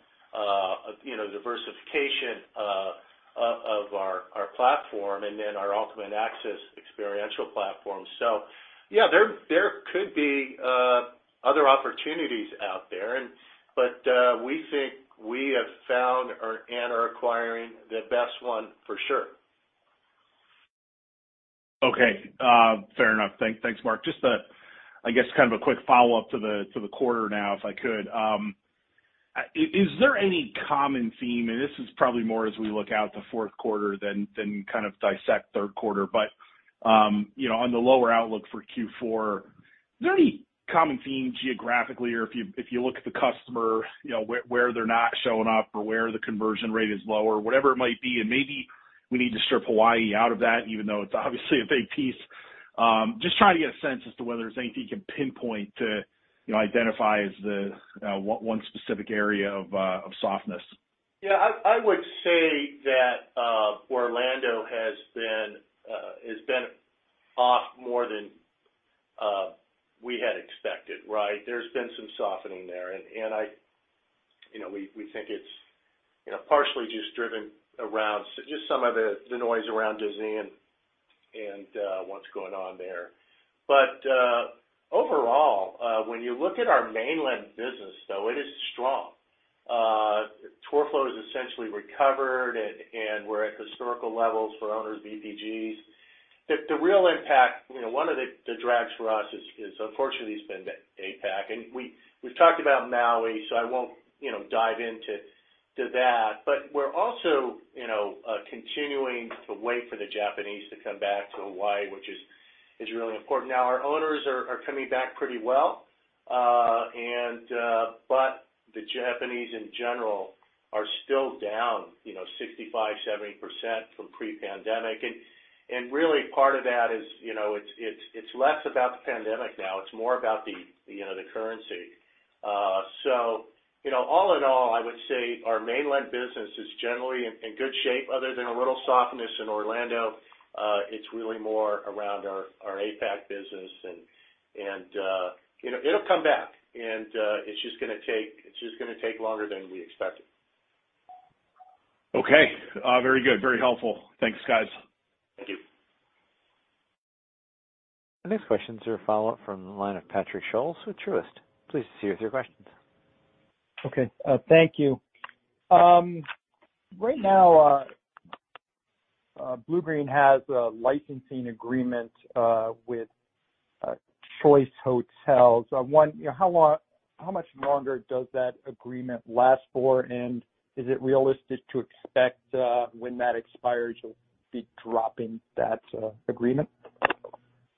you know, diversification of our platform and then our Ultimate Access experiential platform. So yeah, there could be other opportunities out there and but we think we have found our and are acquiring the best one for sure. Okay, fair enough. Thanks, Mark. Just a, I guess, kind of a quick follow-up to the quarter now, if I could. Is there any common theme, and this is probably more as we look out the fourth quarter than kind of dissect third quarter. But, you know, on the lower outlook for Q4, is there any common theme geographically or if you look at the customer, you know, where they're not showing up or where the conversion rate is lower, whatever it might be, and maybe we need to strip Hawaii out of that, even though it's obviously a big piece. Just trying to get a sense as to whether there's anything you can pinpoint to, you know, identify as the one specific area of softness. Yeah, I would say that Orlando has been off more than we had expected, right? There's been some softening there, and I you know, we think it's, you know, partially just driven around just some of the noise around Disney and what's going on there. But overall, when you look at our mainland business, though, it is strong. Tour flow is essentially recovered, and we're at historical levels for owners VPGs. The real impact, you know, one of the drags for us is unfortunately, it's been the APAC. And we, we've talked about Maui, so I won't, you know, dive into that. But we're also, you know, continuing to wait for the Japanese to come back to Hawaii, which is really important. Now, our owners are coming back pretty well, and but the Japanese in general are still down, you know, 65%-70% from pre-pandemic. And really, part of that is, you know, it's less about the pandemic now. It's more about the, you know, the currency. So, you know, all in all, I would say our mainland business is generally in good shape, other than a little softness in Orlando. It's really more around our APAC business, and you know, it'll come back, and it's just gonna take, it's just gonna take longer than we expected. Okay. Very good. Very helpful. Thanks, guys. Thank you. The next questions are a follow-up from the line of Patrick Scholes with Truist. Please proceed with your questions. Okay, thank you. Right now, Bluegreen has a licensing agreement with Choice Hotels. I want—You know, how long—how much longer does that agreement last for, and is it realistic to expect, when that expires, you'll be dropping that agreement?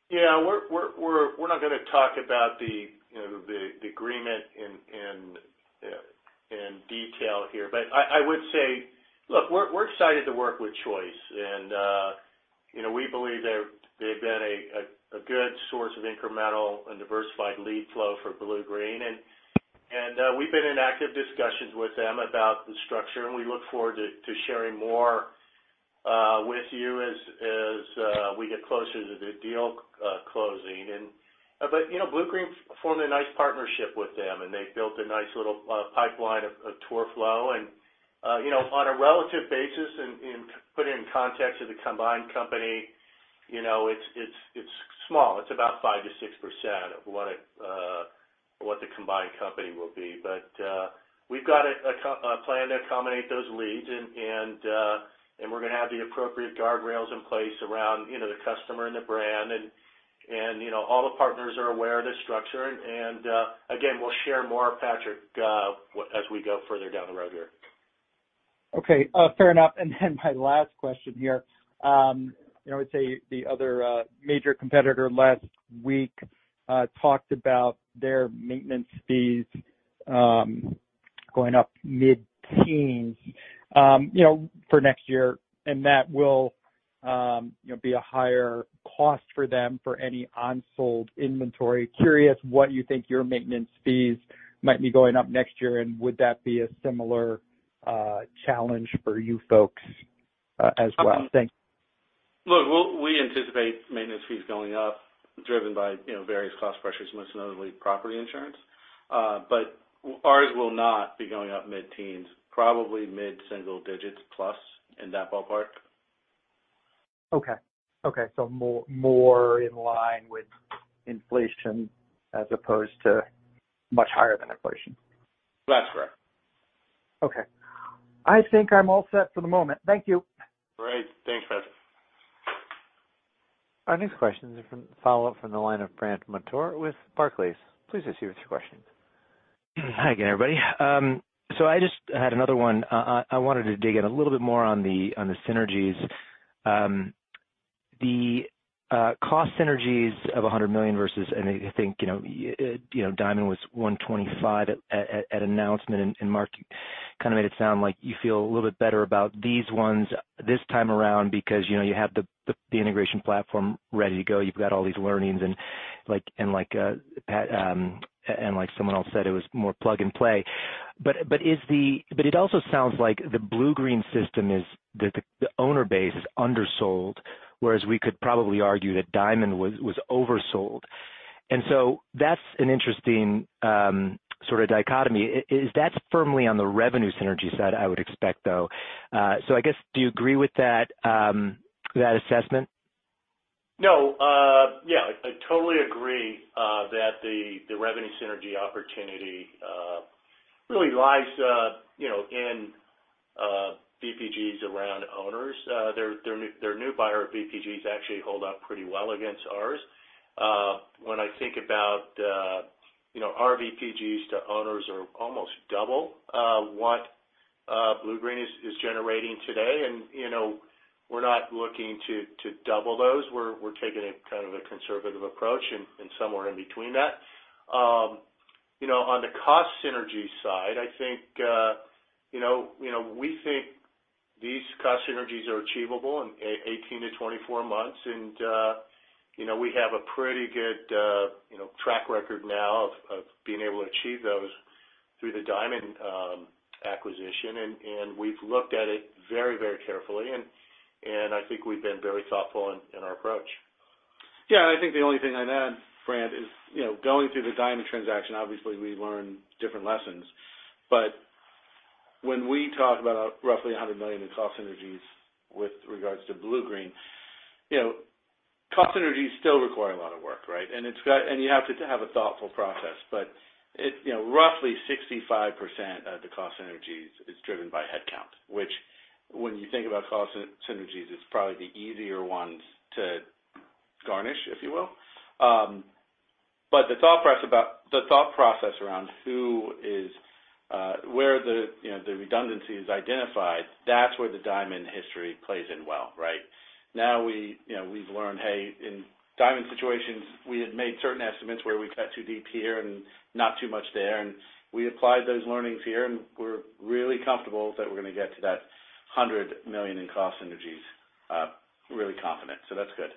Yeah, we're not gonna talk about the, you know, the agreement in detail here. But I would say, look, we're excited to work with Choice, and, you know, we believe they've been a good source of incremental and diversified lead flow for Bluegreen. And we've been in active discussions with them about the structure, and we look forward to sharing more with you as we get closer to the deal closing. But you know, Bluegreen formed a nice partnership with them, and they built a nice little pipeline of tour flow. And you know, on a relative basis and put in context of the combined company, you know, it's small. It's about 5%-6% of what it... what the combined company will be. But we've got a plan to accommodate those leads, and we're gonna have the appropriate guardrails in place around, you know, the customer and the brand. And you know, all the partners are aware of the structure, and again, we'll share more, Patrick, as we go further down the road here. Okay, fair enough. And then my last question here. You know, I would say the other major competitor last week talked about their maintenance fees going up mid-teens, you know, for next year, and that will, you know, be a higher cost for them for any unsold inventory. Curious what you think your maintenance fees might be going up next year, and would that be a similar challenge for you folks as well? Thanks. Look, we anticipate maintenance fees going up, driven by, you know, various cost pressures, most notably property insurance. But ours will not be going up mid-teens, probably mid-single digits plus, in that ballpark. Okay. Okay, so more, more in line with inflation as opposed to much higher than inflation. That's correct. Okay. I think I'm all set for the moment. Thank you. Great. Thanks, Patrick. Our next question is from a follow-up from the line of Brandt Montour with Barclays. Please proceed with your question. Hi again, everybody. So I just had another one. I wanted to dig in a little bit more on the synergies. The cost synergies of $100 million versus, and I think, you know, you know, Diamond was $125 at announcement, and Mark kind of made it sound like you feel a little bit better about these ones this time around because, you know, you have the integration platform ready to go. You've got all these learnings and like someone else said, it was more plug and play. But it also sounds like the Bluegreen system is, the owner base is undersold, whereas we could probably argue that Diamond was oversold. So that's an interesting sort of dichotomy. Is, is that firmly on the revenue synergy side, I would expect, though? So I guess, do you agree with that, that assessment? No. Yeah, I totally agree that the revenue synergy opportunity really lies, you know, in VPGs around owners. Their new buyer VPGs actually hold up pretty well against ours. When I think about, you know, our VPGs to owners are almost double what Bluegreen is generating today. And, you know, we're not looking to double those. We're taking a kind of a conservative approach and somewhere in between that. You know, on the cost synergy side, I think, you know, we think these cost synergies are achievable in 18-24 months, and you know, we have a pretty good track record now of being able to achieve those through the Diamond acquisition. And we've looked at it very carefully, and I think we've been very thoughtful in our approach. Yeah, I think the only thing I'd add, Brandt, is, you know, going through the Diamond transaction, obviously, we learned different lessons. But when we talk about roughly $100 million in cost synergies with regards to Bluegreen, you know, cost synergies still require a lot of work, right? And it's, and you have to have a thoughtful process. But it, you know, roughly 65% of the cost synergies is driven by headcount, which when you think about cost synergies, is probably the easier ones to garnish, if you will. But the thought process around who is, where the, you know, the redundancy is identified, that's where the Diamond history plays in well, right? Now we, you know, we've learned, hey, in Diamond situations, we had made certain estimates where we cut too deep here and not too much there, and we applied those learnings here, and we're really comfortable that we're gonna get to that $100 million in cost synergies, really confident. So that's good.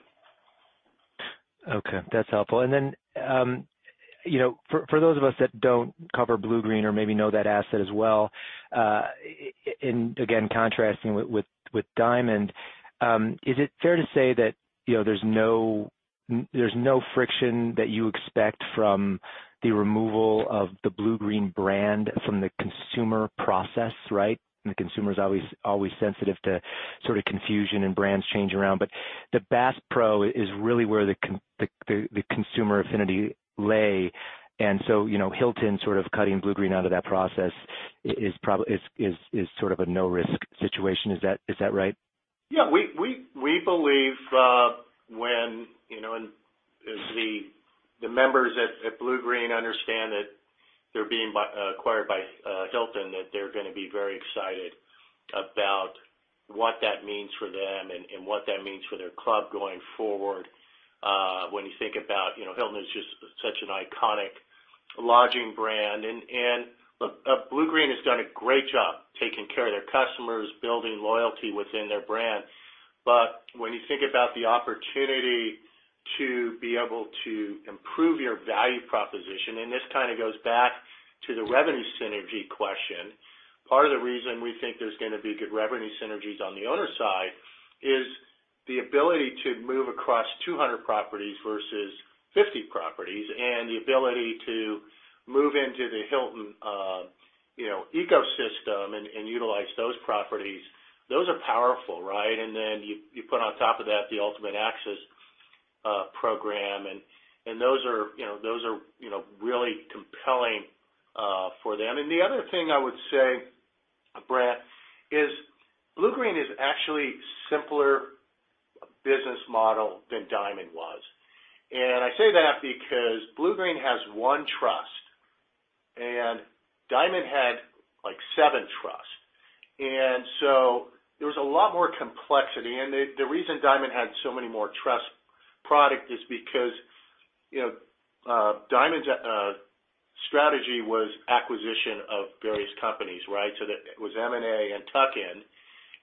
Okay, that's helpful. Then, you know, for those of us that don't cover Bluegreen or maybe know that asset as well, in, again, contrasting with Diamond, is it fair to say that, you know, there's no friction that you expect from the removal of the Bluegreen brand from the consumer process, right? The consumer is always sensitive to sort of confusion and brands change around. But the Bass Pro is really where the consumer affinity lies, and so, you know, Hilton sort of cutting Bluegreen out of that process is probably sort of a no-risk situation. Is that right? Yeah, we believe, when, you know, and as the members at Bluegreen understand that they're being acquired by Hilton, that they're gonna be very excited about what that means for them and what that means for their club going forward. When you think about, you know, Hilton is just such an iconic lodging brand. And look, Bluegreen has done a great job taking care of their customers, building loyalty within their brand. But when you think about the opportunity to be able to improve your value proposition, and this kind of goes back to the revenue synergy question, part of the reason we think there's gonna be good revenue synergies on the owner side is the ability to move across 200 properties versus 50 properties, and the ability to move into the Hilton. You know, ecosystem and utilize those properties, those are powerful, right? And then you put on top of that the Ultimate Access program, and those are, you know, those are, you know, really compelling for them. And the other thing I would say, Brett, is Bluegreen is actually simpler business model than Diamond was. And I say that because Bluegreen has one trust, and Diamond had, like, seven trusts, and so there was a lot more complexity. And the reason Diamond had so many more trust product is because, you know, Diamond's strategy was acquisition of various companies, right? So that it was M&A and tuck-in,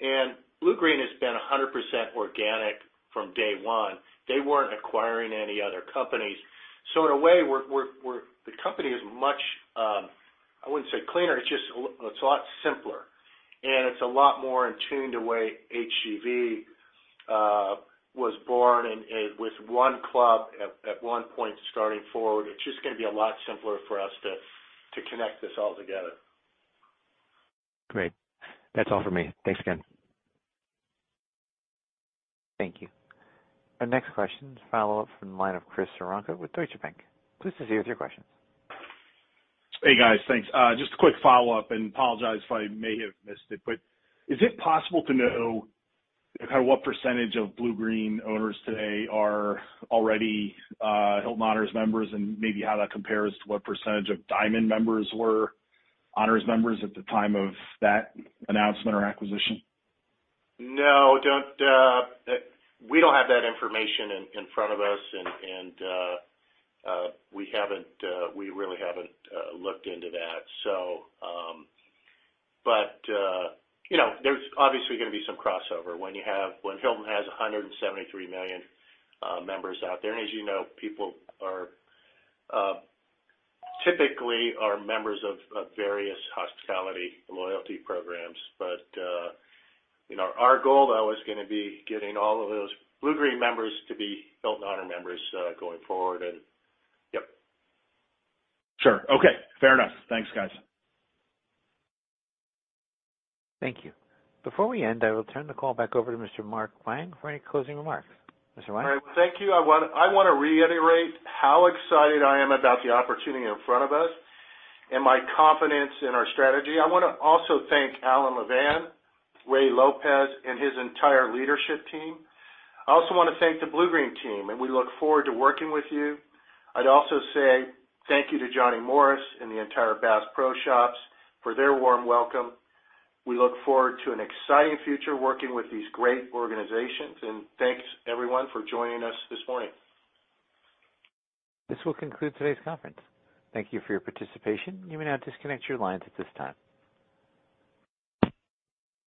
and Bluegreen has been 100% organic from day one. They weren't acquiring any other companies. So in a way, the company is much. I wouldn't say cleaner, it's just a lot simpler, and it's a lot more in tune with the way HGV was born and with one club at one point going forward. It's just gonna be a lot simpler for us to connect this all together. Great. That's all for me. Thanks again. Thank you. Our next question is a follow-up from the line of Chris Woronka with Deutsche Bank. Please proceed with your questions. Hey, guys. Thanks. Just a quick follow-up, and apologize if I may have missed it, but is it possible to know kind of what percentage of Bluegreen owners today are already Hilton Honors members, and maybe how that compares to what percentage of Diamond members were Honors members at the time of that announcement or acquisition? No, don't. We don't have that information in front of us, and we haven't really looked into that. So, but you know, there's obviously gonna be some crossover when you have—when Hilton has 173 million members out there. And as you know, people are typically members of various hospitality loyalty programs. But you know, our goal, though, is gonna be getting all of those Bluegreen members to be Hilton Honors members going forward, and yep. Sure. Okay, fair enough. Thanks, guys. Thank you. Before we end, I will turn the call back over to Mr. Mark Wang for any closing remarks. Mr. Wang? All right. Thank you. I wanna, I wanna reiterate how excited I am about the opportunity in front of us and my confidence in our strategy. I wanna also thank Alan Levan, Ray Lopez, and his entire leadership team. I also wanna thank the Bluegreen team, and we look forward to working with you. I'd also say thank you to Johnny Morris and the entire Bass Pro Shops for their warm welcome. We look forward to an exciting future working with these great organizations, and thanks, everyone, for joining us this morning. This will conclude today's conference. Thank you for your participation. You may now disconnect your lines at this time.